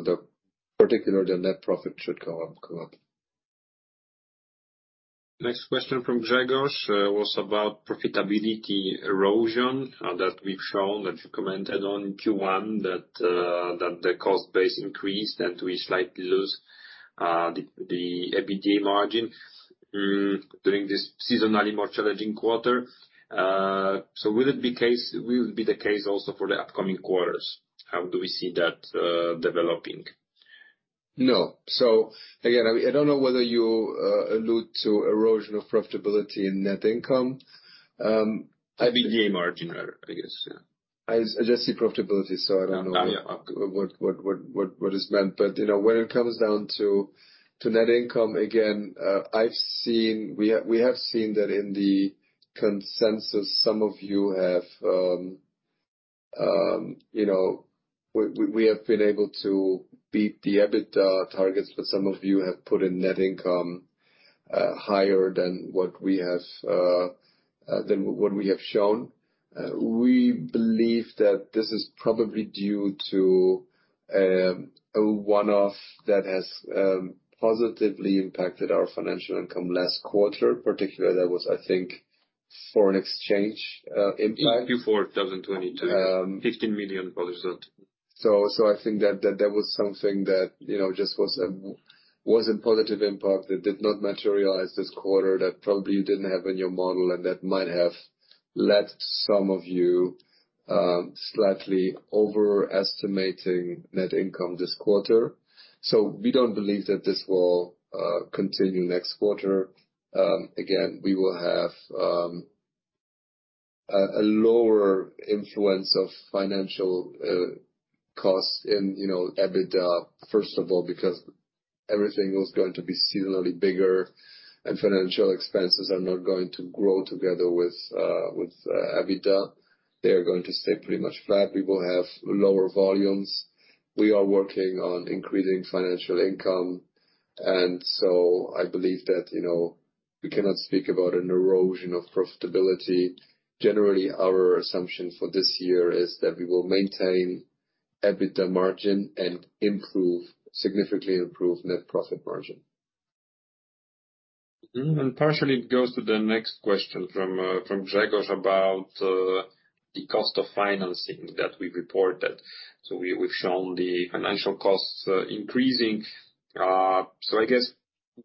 Particularly their net profit should go up. Next question from Grzegorz, was about profitability erosion, that we've shown, that you commented on in Q1, that the cost base increased, and we slightly lose the EBITDA margin during this seasonally more challenging quarter. Will it be the case also for the upcoming quarters? How do we see that developing? No. Again, I don't know whether you allude to erosion of profitability in net income. EBITDA margin, I guess, yeah. I just see profitability, so I don't know- Oh, yeah. What is meant. You know, when it comes down to net income, again, We have seen that in the consensus, some of you have, you know, We have been able to beat the EBITDA targets, but some of you have put in net income higher than what we have than what we have shown. We believe that this is probably due to a one-off that has positively impacted our financial income last quarter. Particularly that was, I think, foreign exchange impact. Q4 2022. Um- PLN 15 million. I think that was something that, you know, just was a positive impact that did not materialize this quarter, that probably you didn't have in your model and that might have led some of you slightly overestimating net income this quarter. We don't believe that this will continue next quarter. Again, we will have a lower influence of financial costs in, you know, EBITDA, first of all, because everything is going to be seasonally bigger, and financial expenses are not going to grow together with EBITDA. They are going to stay pretty much flat. We will have lower volumes. We are working on increasing financial income. I believe that, you know, we cannot speak about an erosion of profitability. Generally, our assumption for this year is that we will maintain EBITDA margin and improve, significantly improve net profit margin. Partially it goes to the next question from Grzegorz about the cost of financing that we reported. We've shown the financial costs increasing. I guess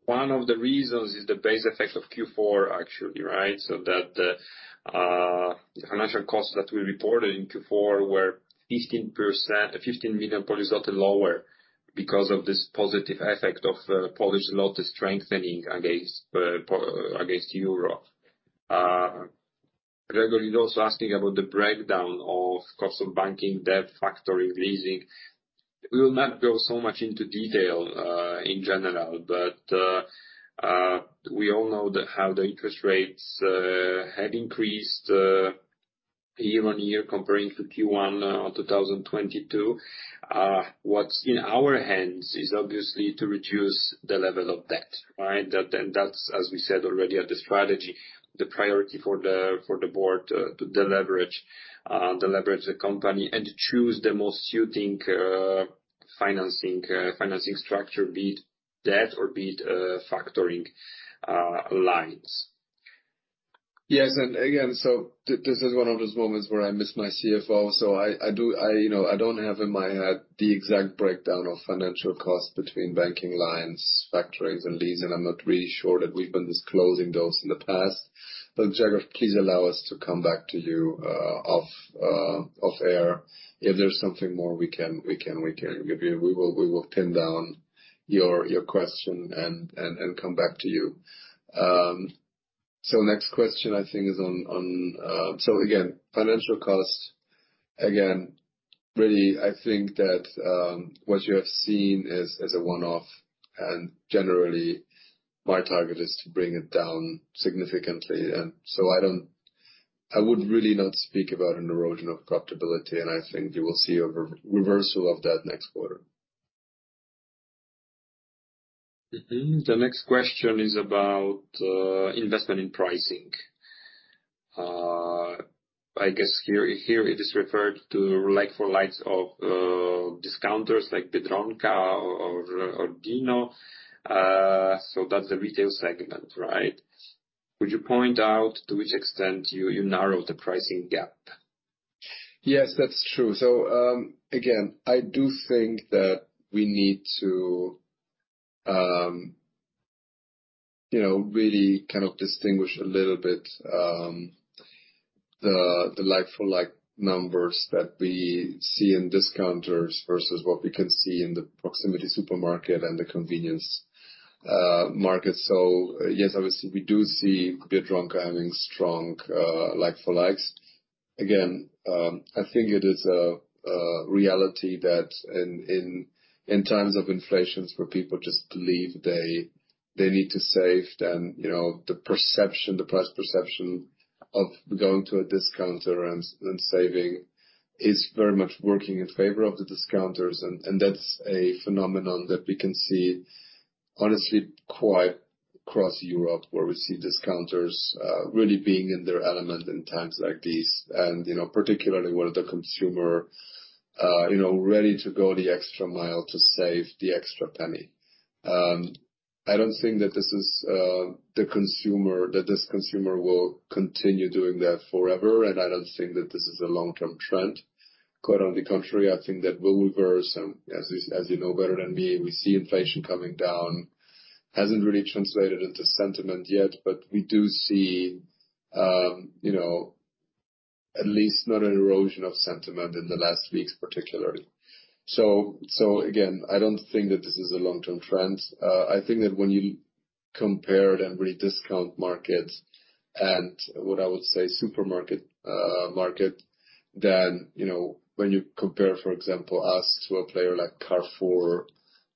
one of the reasons is the base effect of Q4 actually, right? That the financial costs that we reported in Q4 were 15%, 15 million lower because of this positive effect of Polish zloty strengthening against euro. Grzegorz is also asking about the breakdown of cost of banking, debt, factory, leasing. We will not go so much into detail in general, we all know that how the interest rates have increased year-on-year comparing to Q1 of 2022. What's in our hands is obviously to reduce the level of debt, right? That's as we said already at the strategy, the priority for the board to deleverage the company and choose the most suiting financing structure, be it debt or be it factoring lines. Yes. This is one of those moments where I miss my CFO. I do, you know, I don't have in my head the exact breakdown of financial costs between banking lines, factorings and leasing. I'm not really sure that we've been disclosing those in the past. Jacob, please allow us to come back to you off air. If there's something more we can give you. We will pin down your question and come back to you. Next question I think is on financial costs. Again, really, I think that what you have seen is a one-off and generally my target is to bring it down significantly I don't... I would really not speak about an erosion of profitability. I think you will see a re-reversal of that next quarter. The next question is about investment in pricing. I guess here, it is referred to like-for-like of discounters like Biedronka or Dino. That's the retail segment, right? Would you point out to which extent you narrowed the pricing gap? Yes, that's true. Again, I do think that we need to, you know, really kind of distinguish a little bit, the like-for-like numbers that we see in discounters versus what we can see in the proximity supermarket and the convenience market. Yes, obviously we do see Biedronka having strong like-for-likes. Again, I think it is a reality that in times of inflations where people just believe they need to save, then, you know, the perception, the price perception of going to a discounter and saving is very much working in favor of the discounters. That's a phenomenon that we can see honestly quite across Europe, where we see discounters, really being in their element in times like these and, you know, particularly where the consumer, you know, ready to go the extra mile to save the extra penny. I don't think that this is the consumer, that this consumer will continue doing that forever, and I don't think that this is a long-term trend. Quite on the contrary, I think that will reverse, and as you know better than me, we see inflation coming down. Hasn't really translated into sentiment yet, but we do see, you know, at least not an erosion of sentiment in the last weeks particularly. Again, I don't think that this is a long-term trend. I think that when you compare it and really discount market and what I would say supermarket market, then you know, when you compare, for example us to a player like Carrefour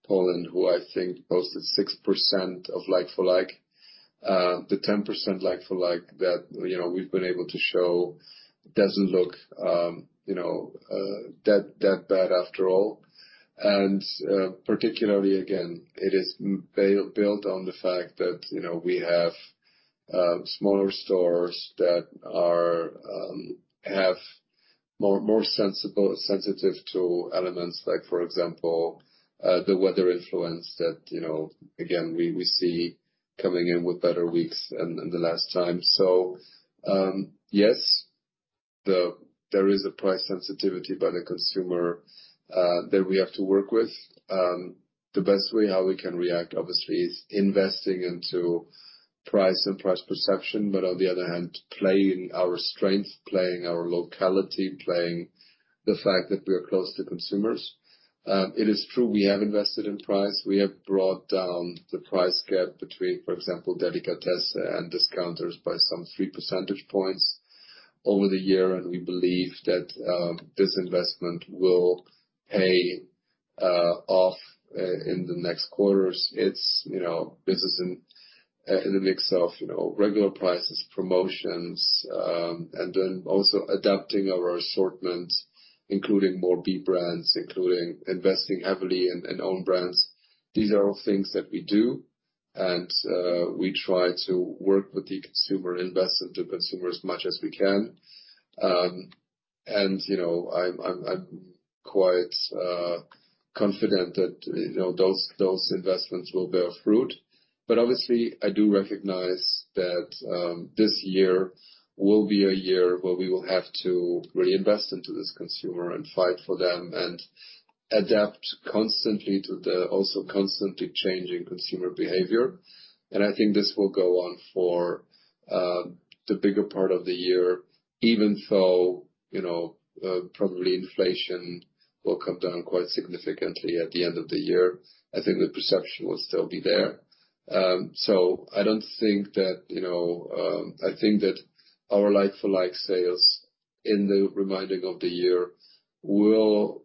Polska, who I think posted 6% of like-for-like, the 10% like-for-like that, you know, we've been able to show doesn't look, you know, that bad after all. Particularly again, it is built on the fact that, you know, we have smaller stores that are more sensitive to elements like for example, the weather influence that, you know, again, we see coming in with better weeks in the last time. Yes, there is a price sensitivity by the consumer that we have to work with. The best way how we can react obviously is investing into price and price perception, but on the other hand, playing our strengths, playing our locality, playing the fact that we are close to consumers. It is true we have invested in price. We have brought down the price gap between, for example, delicatessens and discounters by some 3 percentage points over the year. We believe that this investment will pay off in the next quarters. It's, you know, business in the mix of, you know, regular prices, promotions, and then also adapting our assortment, including more B brands, including investing heavily in own brands. These are all things that we do and we try to work with the consumer, invest into consumer as much as we can. You know, I'm quite confident that, you know, those investments will bear fruit. Obviously I do recognize that this year will be a year where we will have to really invest into this consumer and fight for them and adapt constantly to the also constantly changing consumer behavior. I think this will go on for the bigger part of the year, even though, you know, probably inflation will come down quite significantly at the end of the year. I think the perception will still be there. I don't think that, you know, I think that our like-for-like sales in the remaining of the year will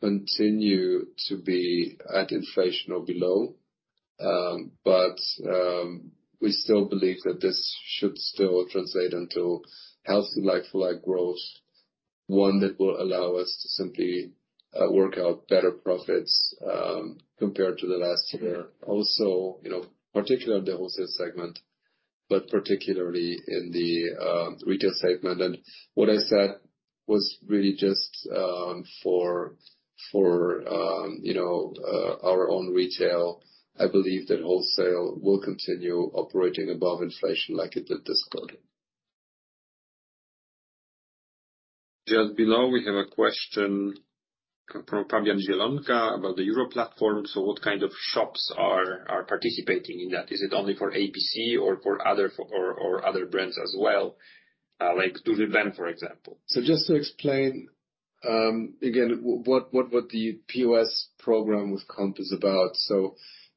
continue to be at inflation or below. We still believe that this should still translate into healthy like-for-like growth, one that will allow us to simply work out better profits compared to the last year. You know, particularly in the wholesale segment, but particularly in the retail segment. What I said was really just for, you know, our own retail. I believe that wholesale will continue operating above inflation like it did this quarter. Just below we have a question from Fabian Zielonka about the EuroPlatform. What kind of shops are participating in that? Is it only for abc or for other brands as well, like Duży Ben, for example? Just to explain, again, what the POS program with Comp is about.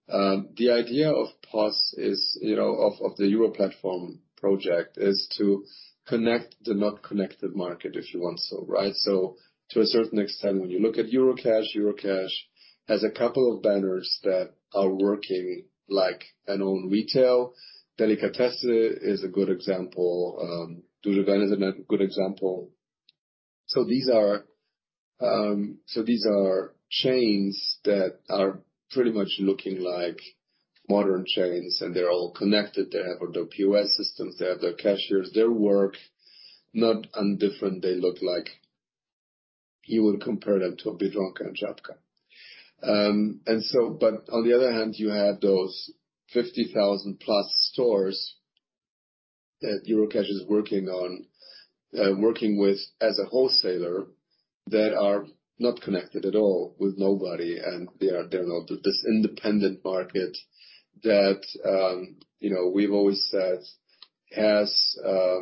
The idea of POS is, you know, of the EuroPlatform project, is to connect the not connected market, if you want so, right? To a certain extent, when you look at Eurocash has a couple of banners that are working like an own retail. Delikatesy is a good example. Duży Ben is a good example. These are chains that are pretty much looking like modern chains, and they're all connected. They have all the POS systems. They have their cashiers. They work not undifferent. They look like you would compare them to a Biedronka and Żabka. On the other hand, you have those 50,000+ stores that Eurocash is working on, working with as a wholesaler, that are not connected at all with nobody, and they are developed with this independent market that, you know, we've always said has,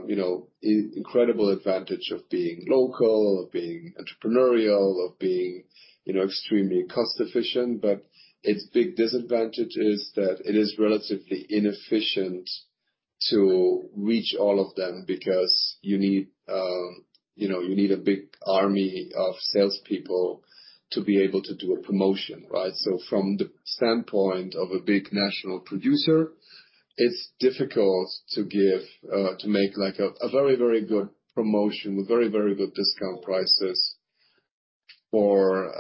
you know, incredible advantage of being local, of being entrepreneurial, of being, you know, extremely cost efficient. Its big disadvantage is that it is relatively inefficient to reach all of them because you need, you know, you need a big army of salespeople to be able to do a promotion, right? From the standpoint of a big national producer, it's difficult to give, to make like a very, very good promotion with very, very good discount prices for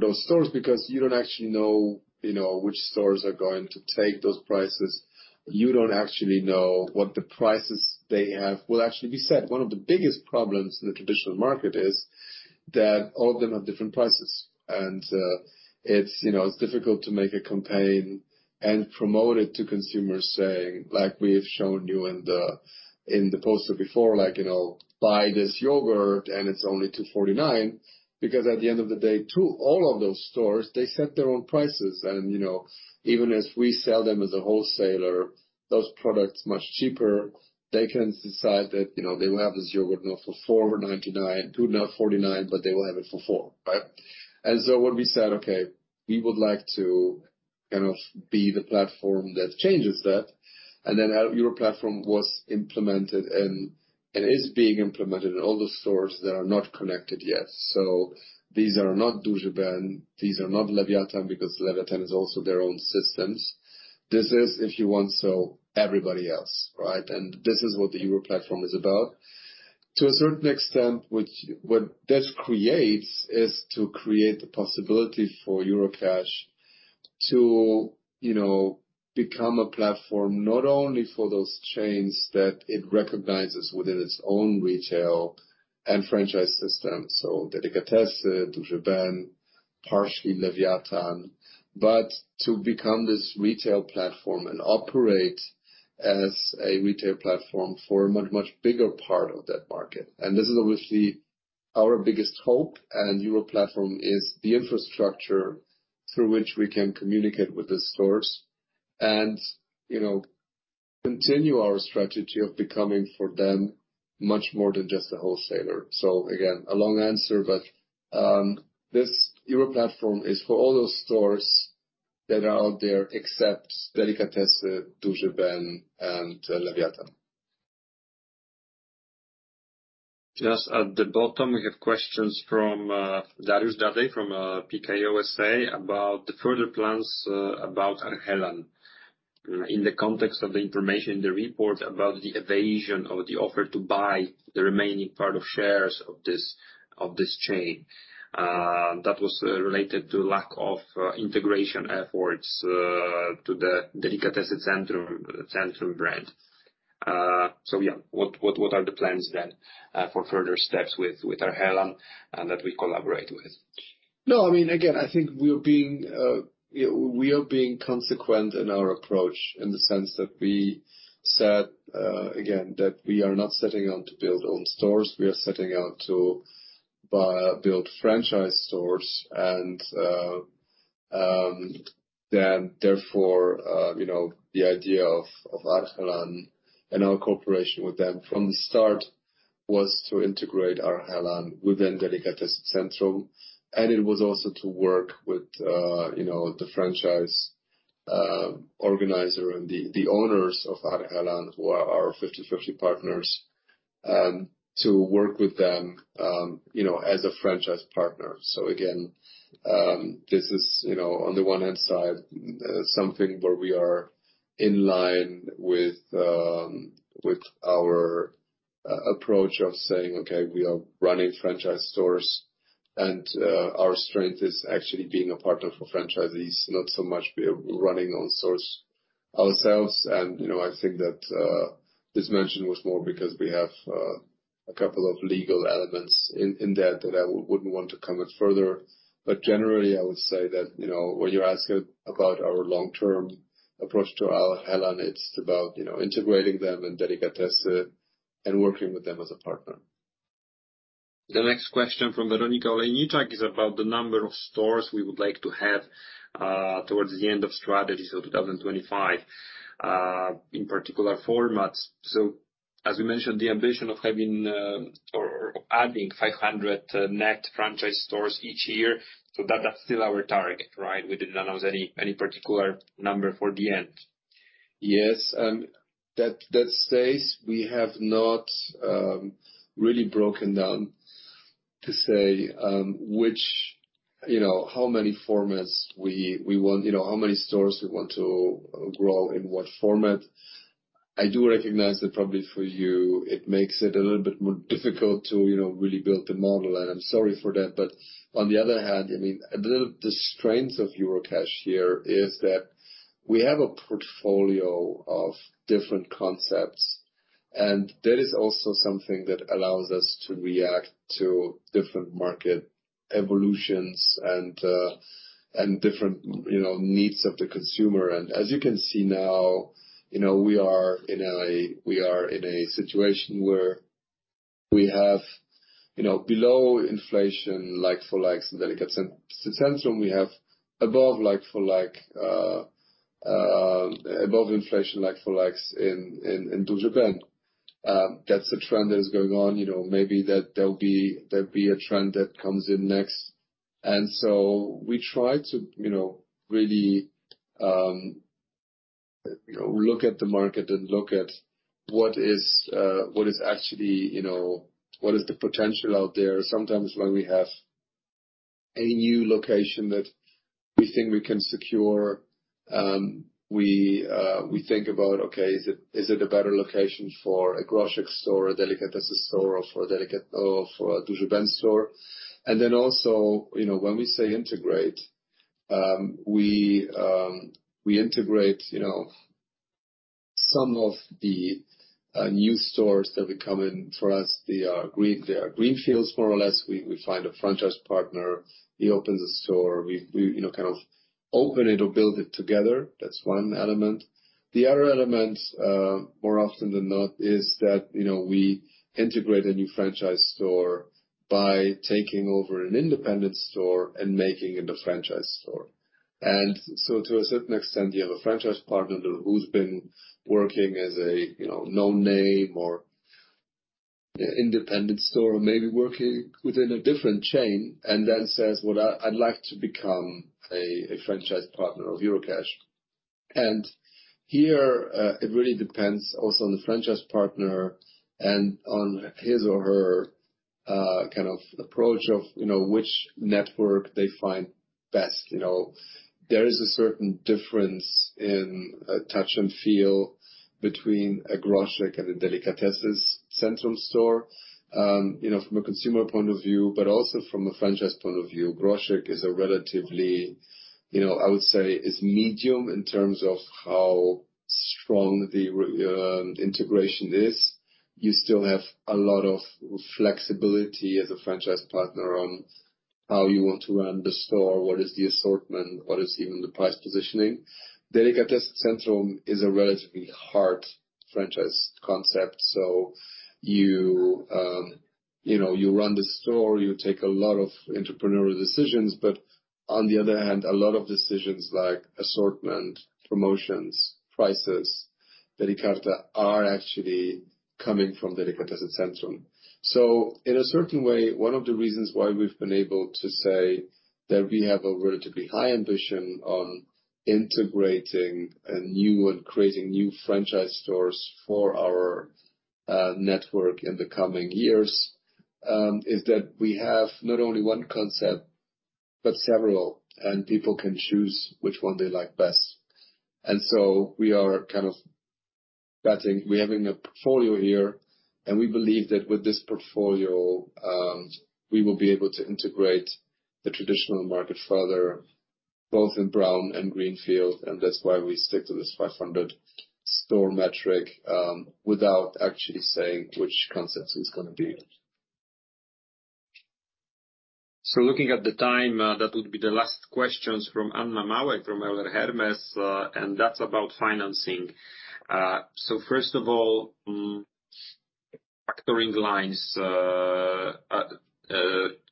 those stores. Because you don't actually know, you know, which stores are going to take those prices. You don't actually know what the prices they have will actually be set. One of the biggest problems in the traditional market is that all of them have different prices. It's, you know, it's difficult to make a campaign and promote it to consumers saying, like we've shown you in the, in the poster before, like, you know, "Buy this yogurt and it's only 2.49." Because at the end of the day too, all of those stores, they set their own prices. You know, even as we sell them as a wholesaler, those products much cheaper, they can decide that, you know, they will have this yogurt now for 4.99. 2.49, but they will have it for 4, right? When we said, "Okay, we would like to kind of be the platform that changes that," our EuroPlatform was implemented and is being implemented in all the stores that are not connected yet. These are not Duży Ben, these are not Lewiatan, because Lewiatan has also their own systems. This is, if you want so, everybody else, right? This is what the EuroPlatform is about. To a certain extent, what this creates is to create the possibility for Eurocash to, you know, become a platform, not only for those chains that it recognizes within its own retail and franchise system. So Delikatesy, Duży Ben, partially Lewiatan, but to become this retail platform and operate as a retail platform for a much, much bigger part of that market. This is obviously our biggest hope. Europlatform is the infrastructure through which we can communicate with the stores and, you know, continue our strategy of becoming for them much more than just a wholesaler. Again, a long answer, but this Europlatform is for all those stores that are out there except Delikatesy, Duży Ben and Lewiatan. Just at the bottom, we have questions from Dariusz Dadej from Pekao S.A. about the further plans about Arhelan. In the context of the information in the report about the evasion of the offer to buy the remaining part of shares of this chain, that was related to lack of integration efforts to the Delikatesy Centrum brand. Yeah, what are the plans then for further steps with Arhelan that we collaborate with? No, I mean, again, I think we are being, we are being consequent in our approach in the sense that we said, again, that we are not setting out to build own stores. We are setting out to build franchise stores and, then therefore, you know, the idea of Arhelan and our cooperation with them from the start was to integrate Arhelan within Delikatesy Centrum, and it was also to work with, you know, the franchise organizer and the owners of Arhelan, who are our 50/50 partners, to work with them, you know, as a franchise partner. Again, this is, you know, on the one hand side, something where we are in line with our approach of saying, "Okay, we are running franchise stores, and our strength is actually being a partner for franchisees, not so much we are running on source ourselves." You know, I think that this mention was more because we have a couple of legal elements in that I wouldn't want to comment further. Generally, I would say that, you know, when you're asking about our long-term approach to our Arhelan, it's about, you know, integrating them in Delicatessen and working with them as a partner. The next question from Weronika Czubak is about the number of stores we would like to have towards the end of strategy, 2025, in particular formats. As we mentioned, the ambition of having or adding 500 net franchise stores each year, that's still our target, right? We didn't announce any particular number for the end. Yes, that stays. We have not really broken down to say, You know, how many formats we want, You know, how many stores we want to grow in what format. I do recognize that probably for you, it makes it a little bit more difficult to, you know, really build the model, and I'm sorry for that. On the other hand, I mean, a little of the strengths of Eurocash here is that we have a portfolio of different concepts, and that is also something that allows us to react to different market evolutions and different, you know, needs of the consumer. As you can see now, you know, we are in a situation where we have, you know, below inflation like-for-like Delikatesy Centrum. We have above like-for-like above inflation like-for-likes in Duży Ben. That's a trend that is going on. You know, maybe that there'll be a trend that comes in next. So we try to, you know, really, you know, look at the market and look at what is what is actually, you know, what is the potential out there. Sometimes when we have a new location that we think we can secure, we think about, okay, is it, is it a better location for a Groszek store, a Delicatessen store or for a Duży Ben store? Also, you know, when we say integrate, we integrate, you know, some of the new stores that we come in. For us, they are green, they are greenfields more or less. We find a franchise partner, he opens a store. We, you know, kind of open it or build it together. That's one element. The other element, more often than not, is that, you know, we integrate a new franchise store by taking over an independent store and making it a franchise store. To a certain extent, you have a franchise partner who's been working as a, you know, no-name or independent store, maybe working within a different chain, and then says, "Well, I'd like to become a franchise partner of Eurocash." Here, it really depends also on the franchise partner and on his or her, kind of approach of, you know, which network they find best, you know. There is a certain difference in touch and feel between a Groszek and a Delikatesy Centrum store, you know, from a consumer point of view, but also from a franchise point of view. Groszek is a relatively, you know, I would say is medium in terms of how strong the integration is. You still have a lot of flexibility as a franchise partner on how you want to run the store, what is the assortment, what is even the price positioning. Delikatesy Centrum is a relatively hard franchise concept, so you know, you run the store, you take a lot of entrepreneurial decisions, but on the other hand, a lot of decisions like assortment, promotions, prices, Delikarta are actually coming from Delikatesy Centrum. In a certain way, one of the reasons why we've been able to say that we have a relatively high ambition on integrating a new and creating new franchise stores for our network in the coming years, is that we have not only one concept, but several, and people can choose which one they like best. We are kind of betting. We're having a portfolio here, and we believe that with this portfolio, we will be able to integrate the traditional market further, both in brown and greenfield, and that's why we stick to this 500 store metric, without actually saying which concepts it's gonna be. Looking at the time, that would be the last questions from Anna Manek, from Euler Hermes. That's about financing. First of all, factoring lines.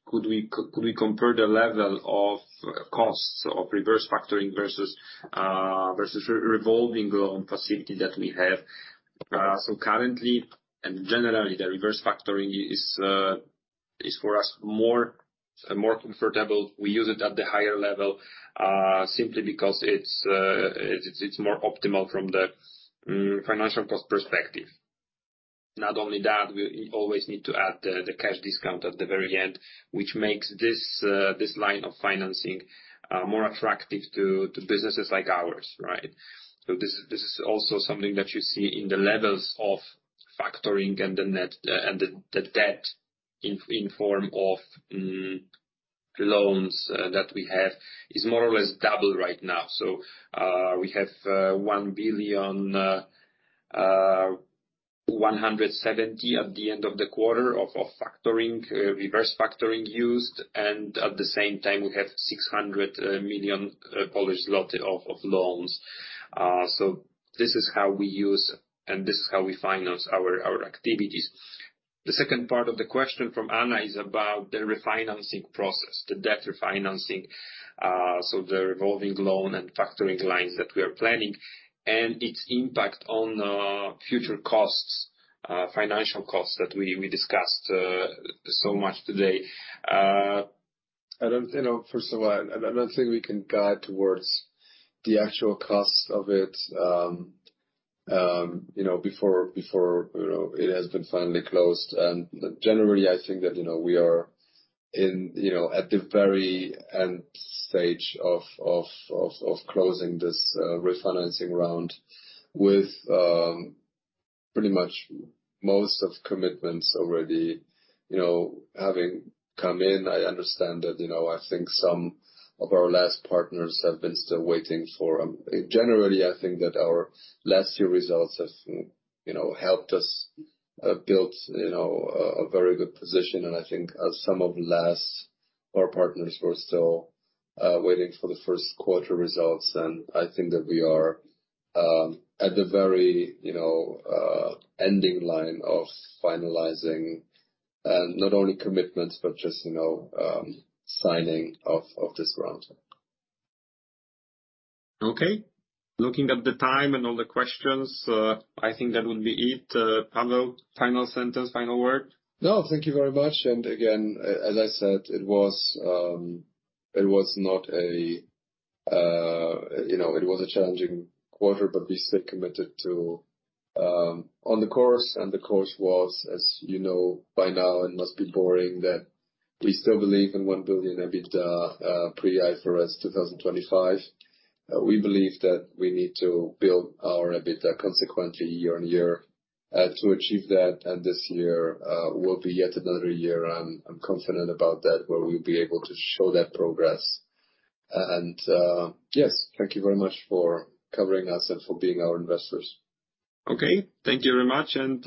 Could we compare the level of costs of reverse factoring versus revolving loan facility that we have? Currently, and generally, the reverse factoring is for us more comfortable. We use it at the higher level, simply because it's more optimal from the financial cost perspective. Not only that, we always need to add the cash discount at the very end, which makes this line of financing more attractive to businesses like ours, right? This is also something that you see in the levels of factoring and the debt in form of loans that we have, is more or less double right now. We have 1,170 million at the end of the quarter of factoring, reverse factoring used, and at the same time, we have 600 million Polish zloty of loans. This is how we use, and this is how we finance our activities. The second part of the question from Anna is about the refinancing process, the debt refinancing. The revolving loan and factoring lines that we are planning and its impact on future costs, financial costs that we discussed so much today. I don't, you know, first of all, I don't think we can guide towards the actual cost of it, you know, before, you know, it has been finally closed. Generally, I think that, you know, we are in, you know, at the very end stage of closing this refinancing round with pretty much most of commitments already, you know, having come in. I understand that, you know, I think some of our last partners have been still waiting for. Generally, I think that our last year results have, you know, helped us build, you know, a very good position and I think as some of last, our partners were still waiting for the first quarter results. I think that we are at the very, you know, ending line of finalizing, not only commitments, but just, you know, signing of this round. Okay. Looking at the time and all the questions, I think that would be it. Paweł, final sentence, final word? No, thank you very much. Again, as I said, it was, it was not a, you know, it was a challenging quarter, we're still committed to on the course and the course was, as you know by now, it must be boring, that we still believe in 1 billion EBITDA pre-IFRS 2025. We believe that we need to build our EBITDA consequently year-on-year to achieve that, and this year will be yet another year, I'm confident about that, where we'll be able to show that progress. Yes, thank you very much for covering us and for being our investors. Okay. Thank you very much, and.